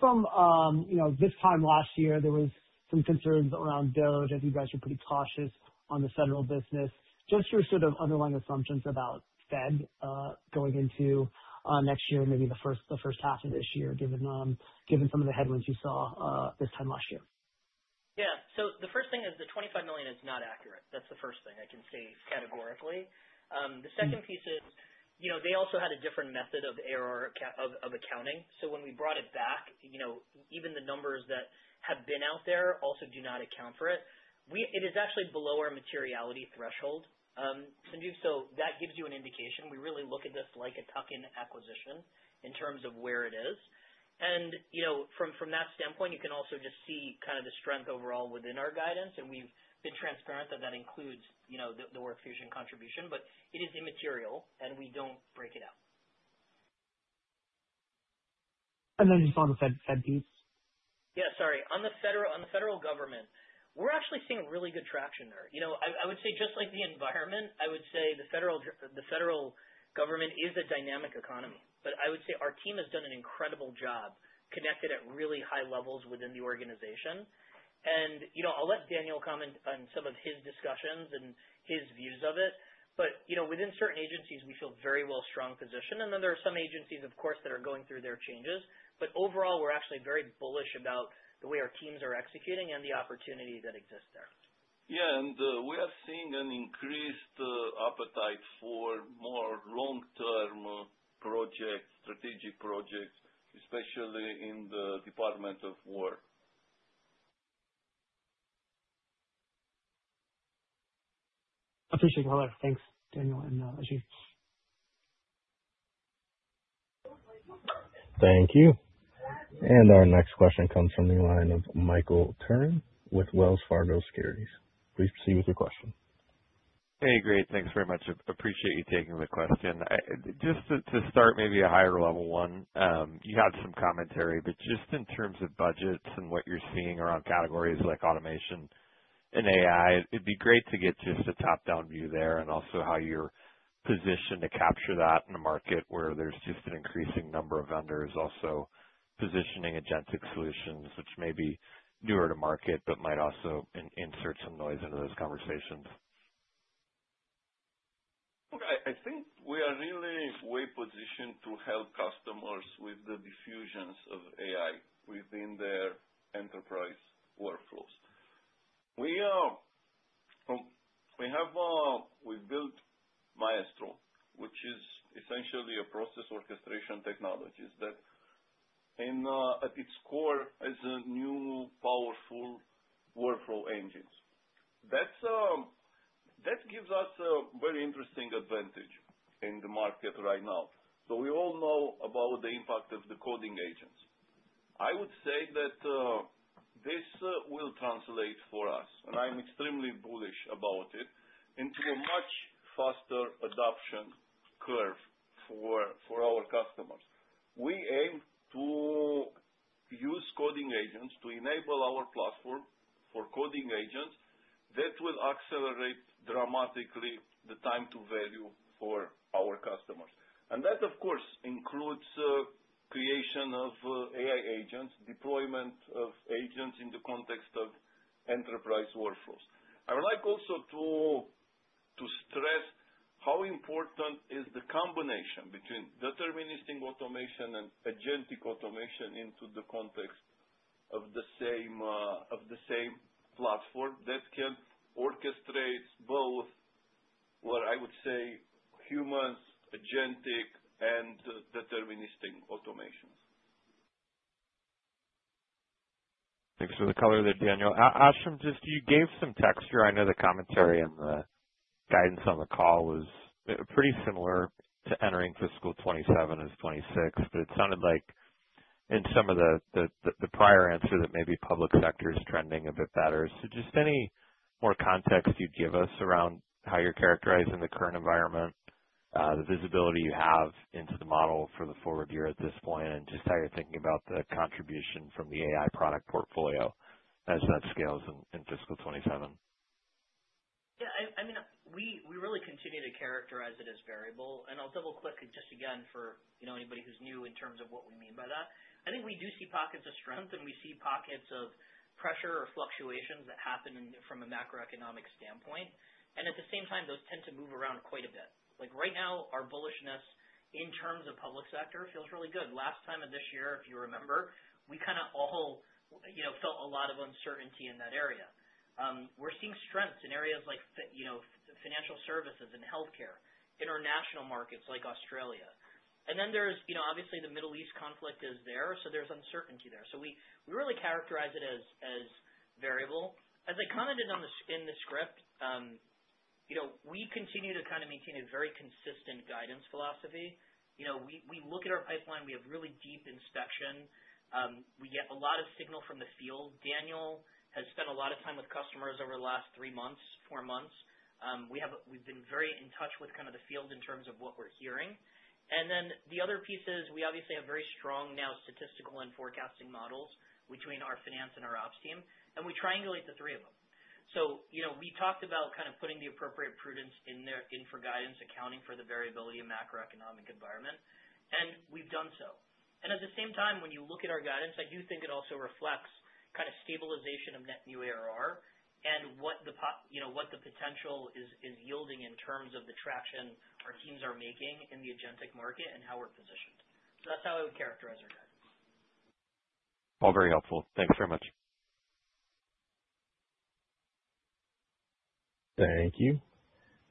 From you know, this time last year, there was some concerns around DOGE as you guys were pretty cautious on the federal business. Just your sort of underlying assumptions about Fed going into next year and maybe the first half of this year, given some of the headwinds you saw this time last year. Yeah. The first thing is the $25 million is not accurate. That's the first thing I can say categorically. The second piece is, you know, they also had a different method of ARR accounting. When we brought it back, you know, even the numbers that have been out there also do not account for it. It is actually below our materiality threshold, Sanjit, so that gives you an indication. We really look at this like a tuck-in acquisition in terms of where it is. You know, from that standpoint, you can also just see kind of the strength overall within our guidance, and we've been transparent that that includes, you know, the WorkFusion contribution, but it is immaterial, and we don't break it out. Just on the Fed piece. Yeah, sorry. On the federal government, we're actually seeing really good traction there. You know, I would say just like the environment, the federal government is a dynamic economy. I would say our team has done an incredible job, connected at really high levels within the organization. You know, I'll let Daniel comment on some of his discussions and his views of it. You know, within certain agencies we're in a very strong position, and then there are some agencies, of course, that are going through their changes. Overall, we're actually very bullish about the way our teams are executing and the opportunity that exists there. Yeah. We are seeing an increased appetite for more long-term projects, strategic projects, especially in the Department of War. Appreciate your color. Thanks, Daniel and Ashim. Thank you. Our next question comes from the line of Michael Turrin with Wells Fargo Securities. Please proceed with your question. Hey, great. Thanks very much. Appreciate you taking the question. Just to start maybe a higher level one, you had some commentary, but just in terms of budgets and what you're seeing around categories like automation and AI, it'd be great to get just a top-down view there and also how you're positioned to capture that in a market where there's just an increasing number of vendors also positioning agentic solutions which may be newer to market but might also insert some noise into those conversations. Okay. I think we are really well positioned to help customers with the diffusion of AI within their enterprise workflows. We are—we have essentially a process orchestration technologies that at its core is a new powerful workflow engines. That gives us a very interesting advantage in the market right now. We all know about the impact of the coding agents. I would say that this will translate for us, and I'm extremely bullish about it, into a much faster adoption curve for our customers. We aim to use coding agents to enable our platform for coding agents that will accelerate dramatically the time to value for our customers. That, of course, includes creation of AI agents, deployment of agents in the context of enterprise workflows. I would like also to stress how important is the combination between deterministic automation and agentic automation into the context of the same platform that can orchestrate both what I would say humans, agentic, and deterministic automations. Thanks for the color there, Daniel. Ashim, just as you gave some texture. I know the commentary and the guidance on the call was pretty similar to entering fiscal 2027 as 2026, but it sounded like in some of the prior answer that maybe public sector is trending a bit better. Just any more context you'd give us around how you're characterizing the current environment, the visibility you have into the model for the forward year at this point, and just how you're thinking about the contribution from the AI product portfolio as that scales in fiscal 2027. Yeah, I mean, we really continue to characterize it as variable. I'll double-click just again for, you know, anybody who's new in terms of what we mean by that. I think we do see pockets of strength, and we see pockets of pressure or fluctuations that happen in from a macroeconomic standpoint. At the same time, those tend to move around quite a bit. Like, right now, our bullishness in terms of public sector feels really good. Last time of this year, if you remember, we kinda all, you know, felt a lot of uncertainty in that area. We're seeing strength in areas like financial services and healthcare, international markets like Australia. Then there's, you know, obviously the Middle East conflict is there, so there's uncertainty there. We really characterize it as variable. As I commented in the script, you know, we continue to kinda maintain a very consistent guidance philosophy. You know, we look at our pipeline, we have really deep inspection. We get a lot of signal from the field. Daniel has spent a lot of time with customers over the last three months, four months. We have, we've been very in touch with kind of the field in terms of what we're hearing. The other piece is we obviously have very strong now statistical and forecasting models between our finance and our ops team, and we triangulate the three of them. You know, we talked about kind of putting the appropriate prudence in there for guidance, accounting for the variability in macroeconomic environment, and we've done so. At the same time, when you look at our guidance, I do think it also reflects kind of stabilization of net new ARR and you know, what the potential is yielding in terms of the traction our teams are making in the agentic market and how we're positioned. That's how I would characterize our guidance. All very helpful. Thanks very much. Thank you.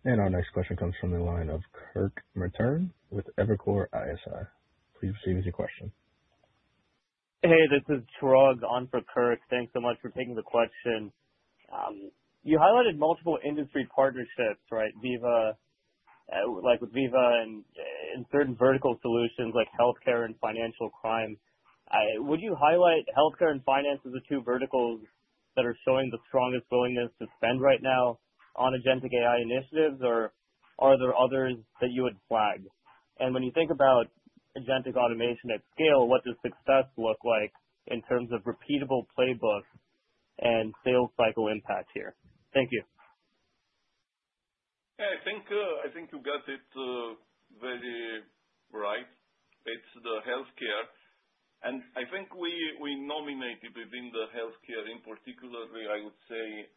Our next question comes from the line of Kirk Materne with Evercore ISI. Please proceed with your question. Hey, this is Chirag on for Kirk. Thanks so much for taking the question. You highlighted multiple industry partnerships, right? Veeva, like with Veeva and certain vertical solutions like healthcare and financial crimes. Would you highlight healthcare and finance as the two verticals that are showing the strongest willingness to spend right now on agentic AI initiatives, or are there others that you would flag? And when you think about agentic automation at scale, what does success look like in terms of repeatable playbooks and sales cycle impact here? Thank you. I think you got it very right. It's the healthcare. I think we dominate it within the healthcare, in particular, I would say,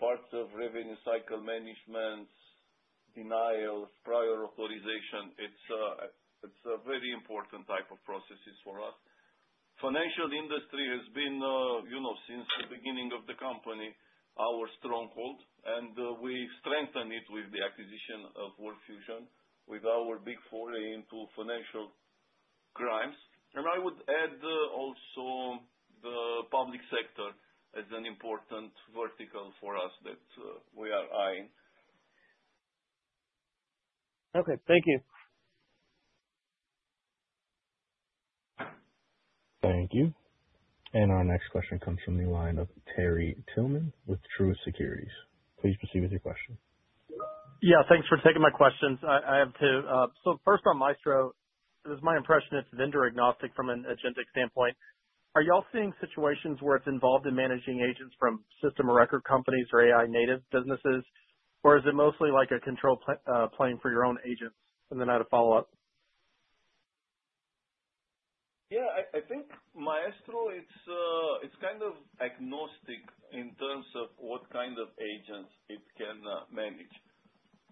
parts of revenue cycle management, denials, prior authorization. It's a very important type of processes for us. Financial industry has been, you know, since the beginning of the company, our stronghold, and we strengthen it with the acquisition of WorkFusion, with our big foray into financial crimes. I would add also the public sector as an important vertical for us that we are eyeing. Okay. Thank you. Thank you. Our next question comes from the line of Terry Tillman with Truist Securities. Please proceed with your question. Yeah, thanks for taking my questions. I have two. So first on Maestro, it was my impression it's vendor agnostic from an agentic standpoint. Are y'all seeing situations where it's involved in managing agents from system of record companies or AI native businesses, or is it mostly like a control plane for your own agents? Then I had a follow-up. Yeah, I think Maestro, it's kind of agnostic in terms of what kind of agents it can manage.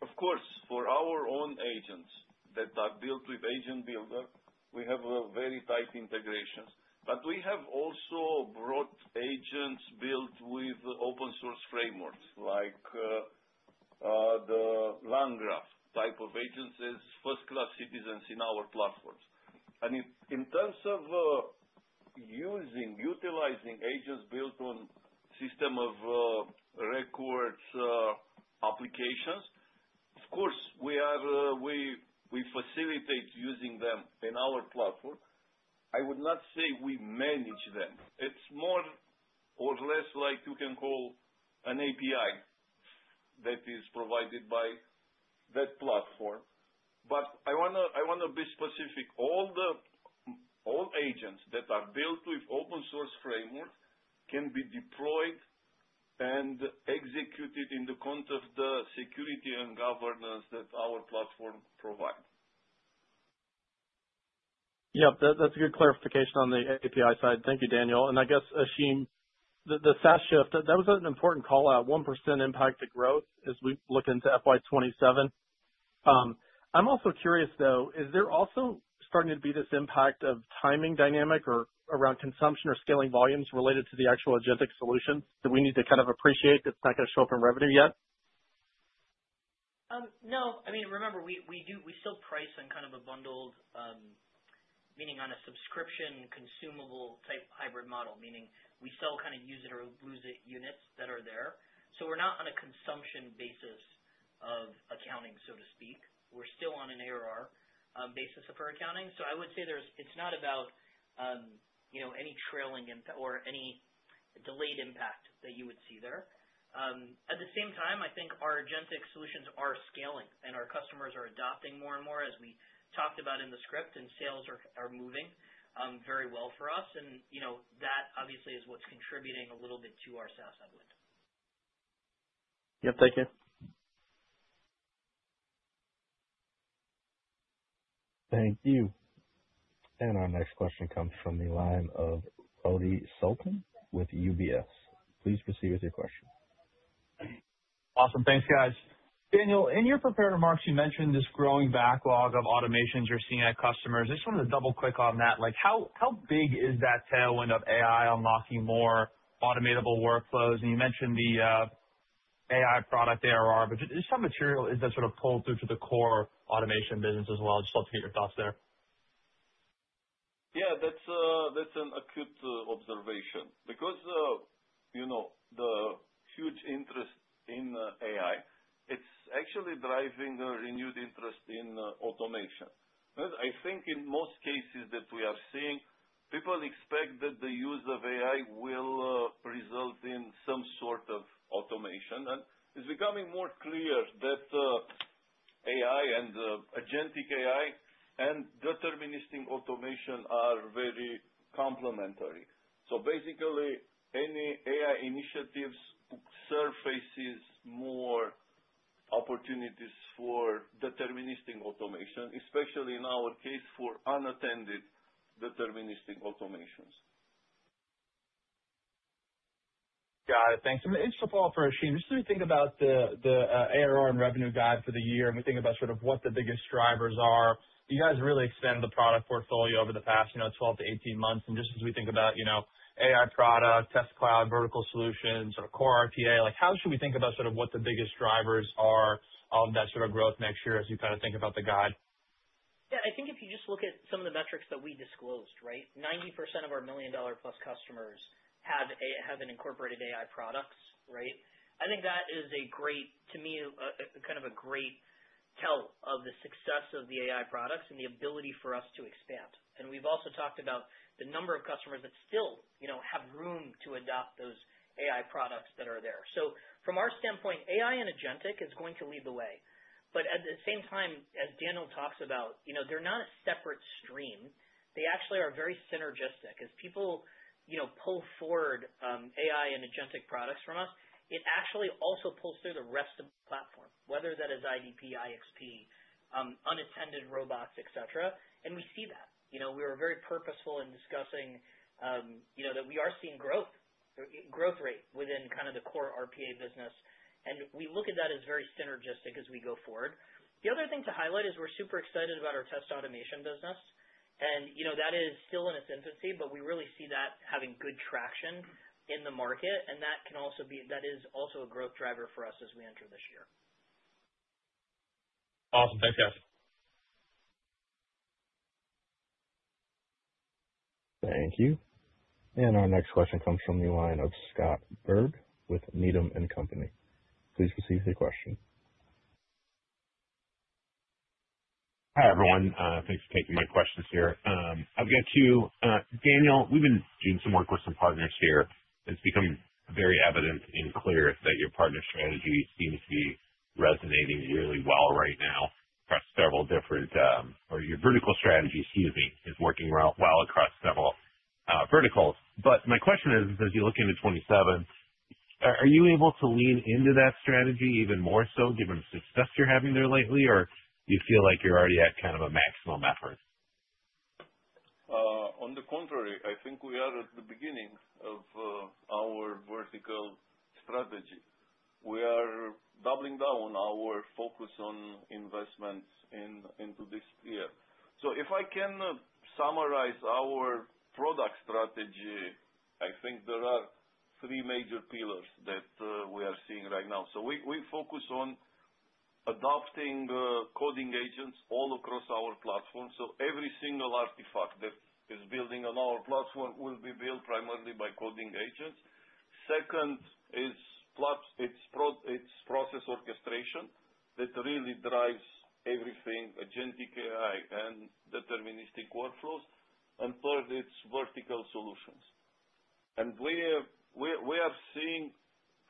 Of course, for our own agents that are built with Agent Builder, we have a very tight integration. But we have also brought agents built with open source frameworks like the LangGraph type of agents, first-class citizens in our platforms. In terms of utilizing agents built on systems of record applications, of course, we facilitate using them in our platform. I would not say we manage them. It's more or less like you can call an API that is provided by that platform. But I wanna be specific. All the All agents that are built with open-source framework can be deployed and executed in the context of the security and governance that our platform provide. Yeah. That's a good clarification on the API side. Thank you, Daniel. I guess, Ashim, the SaaS shift, that was an important call-out, 1% impact to growth as we look into FY 2027. I'm also curious, though, is there also starting to be this impact of timing dynamic or around consumption or scaling volumes related to the actual agentic solution that we need to kind of appreciate that's not gonna show up in revenue yet? No. I mean, remember, we still price on kind of a bundled, meaning on a subscription consumable type hybrid model, meaning we still kind of use it or lose it units that are there. So we're not on a consumption basis of accounting, so to speak. We're still on an ARR basis of our accounting. So I would say there's. It's not about, you know, any trailing impact or any delayed impact that you would see there. At the same time, I think our agentic solutions are scaling, and our customers are adopting more and more as we talked about in the script, and sales are moving very well for us. You know, that obviously is what's contributing a little bit to our SaaS outlook. Yep. Thank you. Thank you. Our next question comes from the line of Radi Sultan with UBS. Please proceed with your question. Awesome. Thanks, guys. Daniel, in your prepared remarks, you mentioned this growing backlog of automations you're seeing at customers. I just wanted to double-click on that. Like, how big is that tailwind of AI unlocking more automatable workflows? You mentioned the AI product ARR, but just how material is that sort of pulled through to the core automation business as well? Just love to get your thoughts there. Yeah, that's an acute observation. Because, you know, the huge interest in AI, it's actually driving a renewed interest in automation. But I think in most cases that we are seeing, people expect that the use of AI will result in some sort of automation. And it's becoming more clear that AI and agentic AI and deterministic automation are very complementary. So basically, any AI initiatives surfaces more opportunities for deterministic automation, especially in our case, for unattended deterministic automations. Got it. Thanks. Just a follow-up for Ashim. As we think about ARR and revenue guide for the year, and we think about sort of what the biggest drivers are, you guys really extend the product portfolio over the past, you know, 12–18 months. Just as we think about, you know, AI products, Test Cloud, vertical solutions, sort of core RPA, like how should we think about sort of what the biggest drivers are of that sort of growth next year as we kind of think about the guide? Yeah. I think if you just look at some of the metrics that we disclosed, right? 90% of our $1 million+ customers have an incorporated AI products, right? I think that is a great, to me, kind of a great tell of the success of the AI products and the ability for us to expand. We've also talked about the number of customers that still, you know, have room to adopt those AI products that are there. From our standpoint, AI and agentic is going to lead the way. At the same time, as Daniel talks about, you know, they're not a separate stream. They actually are very synergistic. As people, you know, pull forward, AI and agentic products from us, it actually also pulls through the rest of the platform, whether that is IDP, IXP, unattended robots, et cetera. We see that. You know, we are very purposeful in discussing, you know, that we are seeing growth rate within kind of the core RPA business. We look at that as very synergistic as we go forward. The other thing to highlight is we're super excited about our test automation business. You know, that is still in its infancy, but we really see that having good traction in the market, and that is also a growth driver for us as we enter this year. Awesome. Thanks, guys. Thank you. Our next question comes from the line of Scott Berg with Needham & Company. Please proceed with your question. Hi, everyone, thanks for taking my questions here. I've got two. Daniel, we've been doing some work with some partners here, and it's become very evident and clear that your partner strategy seems to be resonating really well right now across several different, or your vertical strategy, excuse me, is working well across several verticals. My question is, as you look into 2027, are you able to lean into that strategy even more so given the success you're having there lately? Or do you feel like you're already at kind of a maximum effort? On the contrary, I think we are at the beginning of our vertical strategy. We are doubling down our focus on investments into this year. If I can summarize our product strategy, I think there are three major pillars that we are seeing right now. We focus on adopting coding agents all across our platform. Every single artifact that is building on our platform will be built primarily by coding agents. Second is process orchestration that really drives everything agentic AI and deterministic workflows. Third, it's vertical solutions. We are seeing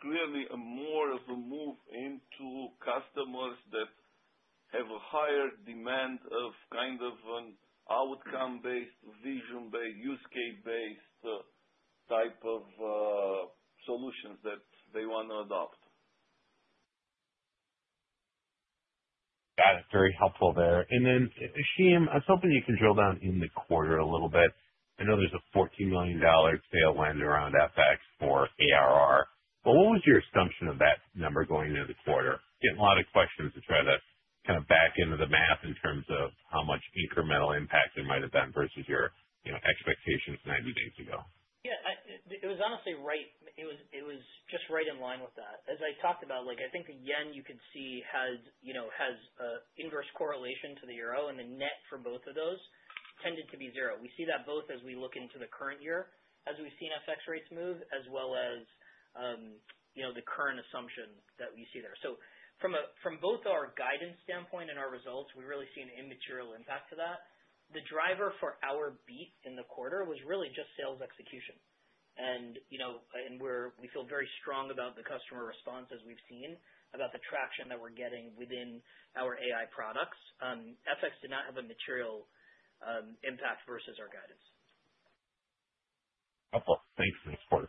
clearly a more of a move into customers that have a higher demand of kind of an outcome-based, vision-based, use case-based type of solutions that they wanna adopt. Got it. Very helpful there. Ashim, I was hoping you can drill down in the quarter a little bit. I know there's a $14 million tailwind around FX for ARR, but what was your assumption of that number going into the quarter? Getting a lot of questions to try to kind of back into the math in terms of how much incremental impact it might have been versus your, you know, expectations 90 days ago. Yeah. It was honestly right. It was just right in line with that. As I talked about, like, I think the yen you could see has, you know, inverse correlation to the euro, and the net for both of those tended to be zero. We see that both as we look into the current year, as we've seen FX rates move, as well as, you know, the current assumption that we see there. From both our guidance standpoint and our results, we really see an immaterial impact to that. The driver for our beat in the quarter was really just sales execution. You know, we feel very strong about the customer response as we've seen about the traction that we're getting within our AI products. FX did not have a material impact versus our guidance. helpful. Thanks for the support.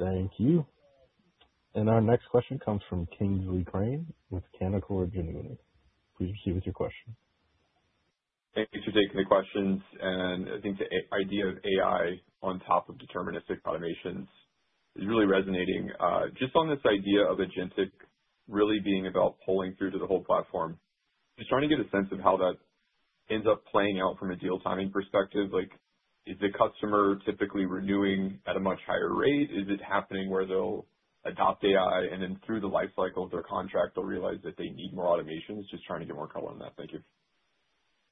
Thank you. Our next question comes from Kingsley Crane with Canaccord Genuity. Please proceed with your question. Thank you for taking the questions. I think the idea of AI on top of deterministic automations is really resonating. Just on this idea of agentic really being about pulling through to the whole platform. Just trying to get a sense of how that ends up playing out from a deal timing perspective. Like, is the customer typically renewing at a much higher rate? Is it happening where they'll adopt AI and then through the lifecycle of their contract, they'll realize that they need more automation? Just trying to get more color on that. Thank you.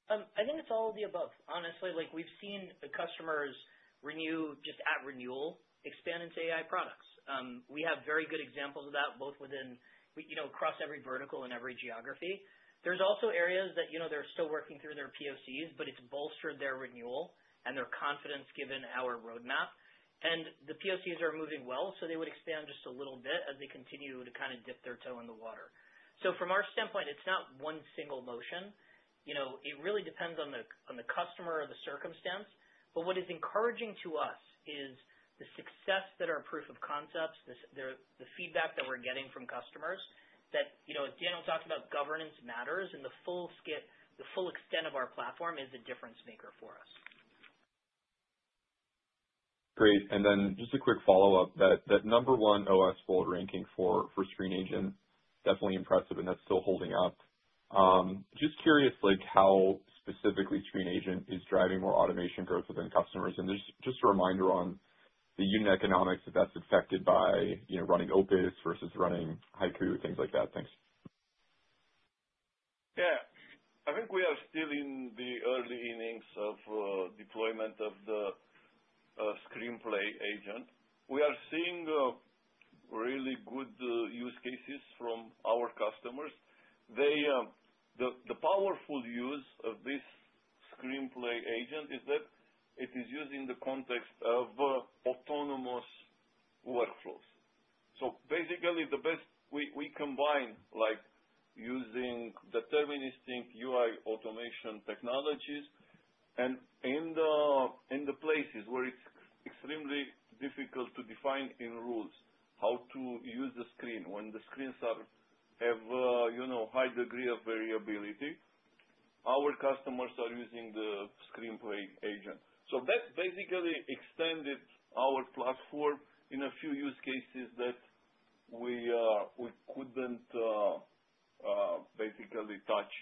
I think it's all of the above. Honestly, like we've seen the customers renew just at renewal, expand into AI products. We have very good examples of that, both within, you know, across every vertical and every geography. There's also areas that, you know, they're still working through their POCs, but it's bolstered their renewal and their confidence given our roadmap. The POCs are moving well, so they would expand just a little bit as they continue to kind of dip their toe in the water. From our standpoint, it's not one single motion, you know, it really depends on the customer or the circumstance. What is encouraging to us, is the success of our proofs of concept, the feedback that we're getting from customers that, you know, as Daniel talked about, governance matters, and the full stack, the full extent of our platform is a difference maker for us. Great. Just a quick follow-up. That number one OSWorld ranking for Screen Agent definitely impressive, and that's still holding up. Just curious, like how specifically Screen Agent is driving more automation growth within customers. Just a reminder on the unit economics, if that's affected by, you know, running Opus versus running Haiku, things like that. Thanks. Yeah. I think we are still in the early innings of deployment of the Screen Agent. We are seeing really good use cases from our customers. The powerful use of this Screen Agent is that it is used in the context of autonomous workflows. We combine, like, using deterministic UI automation technologies and in the places where it's extremely difficult to define in rules how to use the screen when the screens have you know high degree of variability, our customers are using the Screen Agent. That basically extended our platform in a few use cases that we couldn't basically touch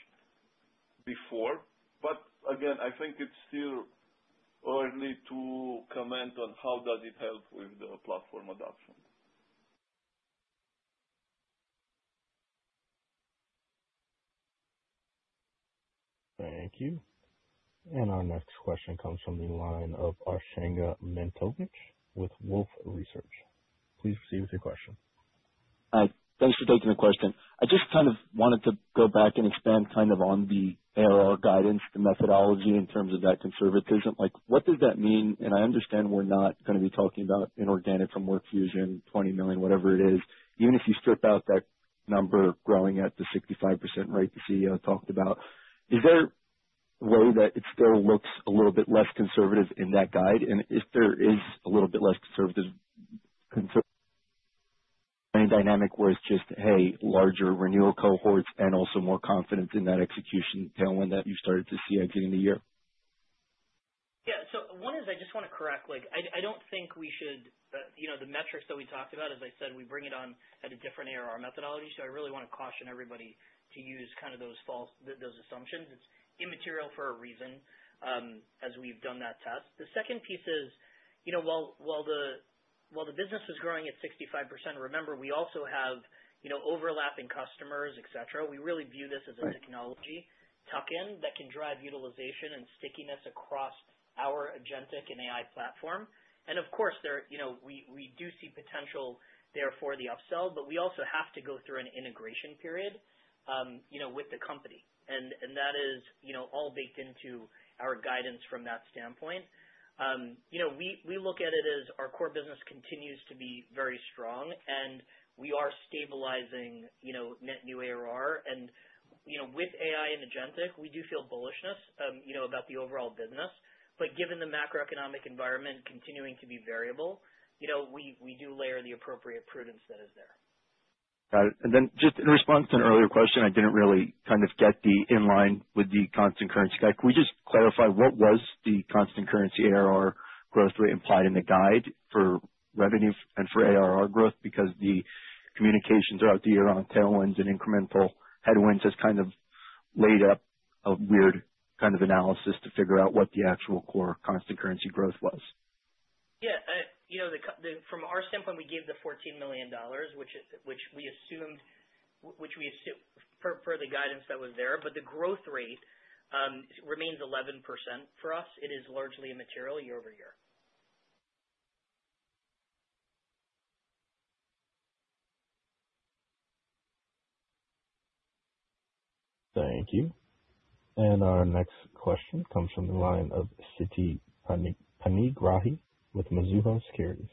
before. Again, I think it's still early to comment on how does it help with the platform adoption. Thank you. Our next question comes from the line of Arsenije Matovic with Wolfe Research. Please proceed with your question. Hi. Thanks for taking the question. I just kind of wanted to go back and expand kind of on the ARR guidance, the methodology in terms of that conservatism. Like, what does that mean? I understand we're not gonna be talking about inorganic from WorkFusion, $20 million, whatever it is. Even if you strip out that number growing at the 65% rate the CEO talked about, is there a way that it still looks a little bit less conservative in that guide? If there is a little bit less conservative, any dynamic was just, hey, larger renewal cohorts and also more confidence in that execution tailwind that you started to see exiting the year? One is I just want to correct, like I don't think we should, you know, the metrics that we talked about, as I said, we bring it on at a different ARR methodology. I really want to caution everybody to use kind of those false, those assumptions. It's immaterial for a reason, as we've done that test. The second piece is, you know, while the business is growing at 65%, remember, we also have, you know, overlapping customers, et cetera. We really view this as a technology tuck-in that can drive utilization and stickiness across our agentic and AI platform. Of course there, you know, we do see potential there for the upsell, but we also have to go through an integration period, you know, with the company. That is, you know, all baked into our guidance from that standpoint. You know, we look at it as our core business continues to be very strong and we are stabilizing, you know, net new ARR. You know, with AI and agentic, we do feel bullishness, you know, about the overall business. Given the macroeconomic environment continuing to be variable, you know, we do layer the appropriate prudence that is there. Got it. Just in response to an earlier question, I didn't really kind of get the in line with the constant currency guide. Can we just clarify what was the constant currency ARR growth rate implied in the guide for revenue and for ARR growth? Because the communications throughout the year on tailwinds and incremental headwinds has kind of led to a weird kind of analysis to figure out what the actual core constant currency growth was. You know, from our standpoint, we gave the $14 million which is, which we assumed for the guidance that was there. The growth rate remains 11%. For us, it is largely immaterial year-over-year. Thank you. Our next question comes from the line of Siti Panigrahi with Mizuho Securities.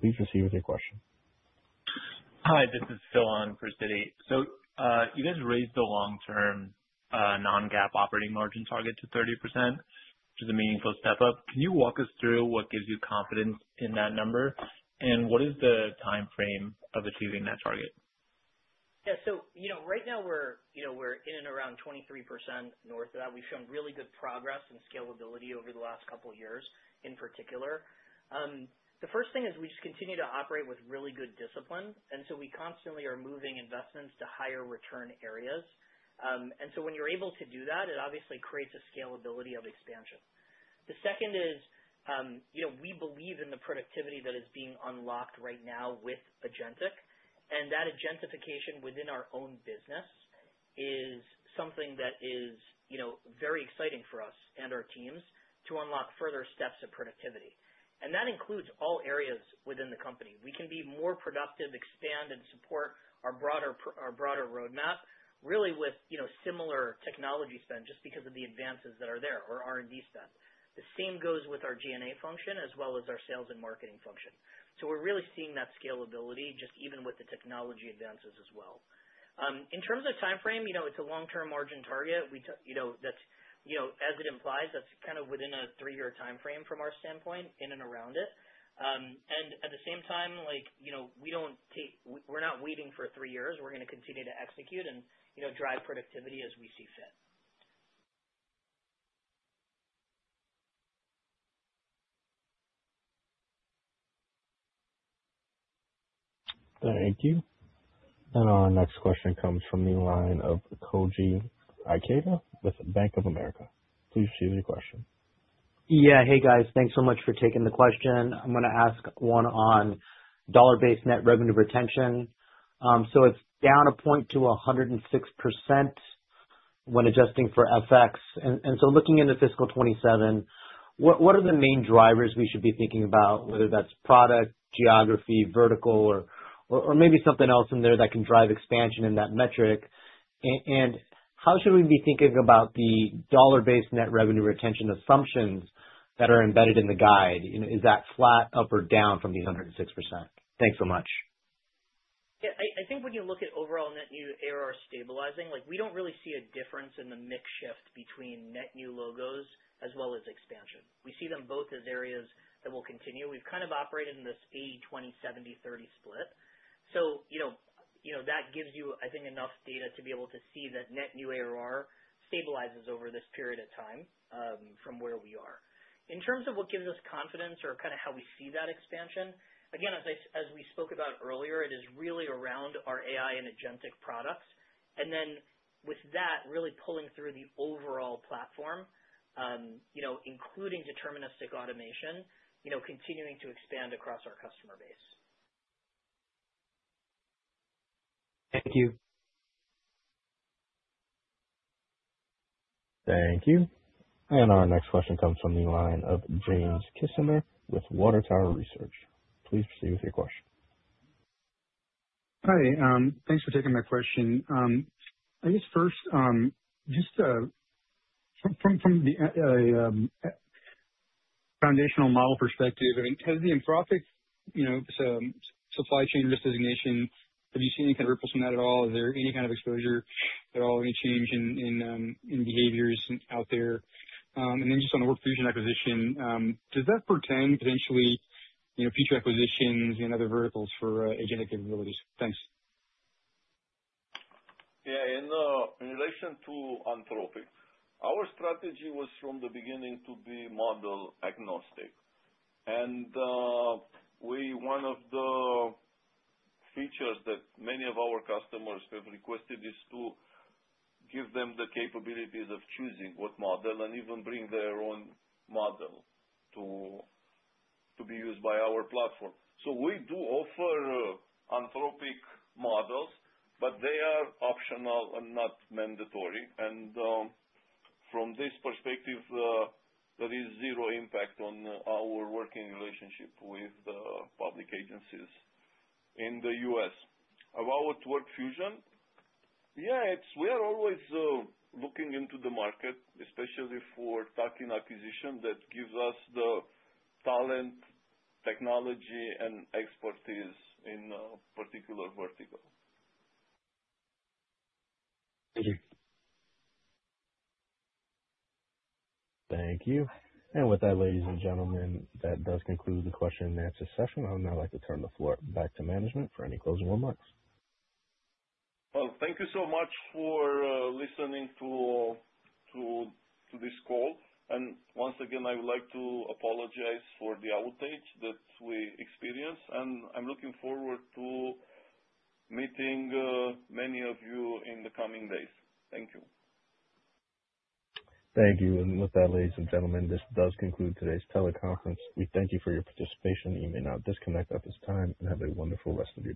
Please proceed with your question. Hi, this is Phil on for Siti. You guys raised the long-term non-GAAP operating margin target to 30%, which is a meaningful step up. Can you walk us through what gives you confidence in that number? What is the timeframe of achieving that target? Yeah. You know, right now we're, you know, we're in and around 23% north of that. We've shown really good progress and scalability over the last couple years in particular. The first thing is we just continue to operate with really good discipline, and so we constantly are moving investments to higher return areas. When you're able to do that, it obviously creates a scalability of expansion. The second is, you know, we believe in the productivity that is being unlocked right now with agentic, and that agentification within our own business is something that is, you know, very exciting for us and our teams to unlock further steps of productivity. That includes all areas within the company. We can be more productive, expand, and support our broader roadmap really with, you know, similar technology spend just because of the advances that are there or R&D spend. The same goes with our G&A function as well as our sales and marketing function. We're really seeing that scalability just even with the technology advances as well. In terms of timeframe, you know, it's a long-term margin target. You know, that's, you know, as it implies, that's kind of within a three-year timeframe from our standpoint in and around it. At the same time, like, you know, we're not waiting for three years. We're gonna continue to execute and, you know, drive productivity as we see fit. Thank you. Our next question comes from the line of Koji Ikeda with Bank of America. Please proceed with your question. Yeah. Hey, guys. Thanks so much for taking the question. I'm gonna ask one on dollar-based net revenue retention. So it's down a point to 106% when adjusting for FX. Looking into fiscal 2027, what are the main drivers we should be thinking about, whether that's product, geography, vertical or maybe something else in there that can drive expansion in that metric? How should we be thinking about the dollar-based net revenue retention assumptions that are embedded in the guide? You know, is that flat up or down from the 106%? Thanks so much. Yeah. I think when you look at overall net new ARR stabilizing, like, we don't really see a difference in the mix shift between net new logos as well as expansion. We see them both as areas that will continue. We've kind of operated in this 80/20, 70/30 split. You know, that gives you, I think, enough data to be able to see that net new ARR stabilizes over this period of time, from where we are. In terms of what gives us confidence or kinda how we see that expansion, again, as we spoke about earlier, it is really around our AI and agentic products. With that, really pulling through the overall platform, you know, including deterministic automation, you know, continuing to expand across our customer base. Thank you. Thank you. Our next question comes from the line of James Kisner with Water Tower Research. Please proceed with your question. Hi. Thanks for taking my question. I guess first, just from the foundational model perspective, I mean, has the Anthropic, you know, supply chain risk designation, have you seen any kind of ripples from that at all? Is there any kind of exposure at all, any change in behaviors out there? Just on the WorkFusion acquisition, does that portend potentially, you know, future acquisitions in other verticals for agentic capabilities? Thanks. Yeah. In relation to Anthropic, our strategy was from the beginning to be model agnostic. One of the features that many of our customers have requested is to give them the capabilities of choosing what model and even bring their own model to be used by our platform. So we do offer Anthropic models, but they are optional and not mandatory. From this perspective, there is zero impact on our working relationship with the public agencies in the US. About WorkFusion, yeah, we are always looking into the market, especially for targeting acquisition that gives us the talent, technology, and expertise in a particular vertical. Thank you. Thank you. With that, ladies and gentlemen, that does conclude the question and answer session. I would now like to turn the floor back to management for any closing remarks. Well, thank you so much for listening to this call. Once again, I would like to apologize for the outage that we experienced, and I'm looking forward to meeting many of you in the coming days. Thank you. Thank you. With that, ladies and gentlemen, this does conclude today's teleconference. We thank you for your participation. You may now disconnect at this time and have a wonderful rest of your day.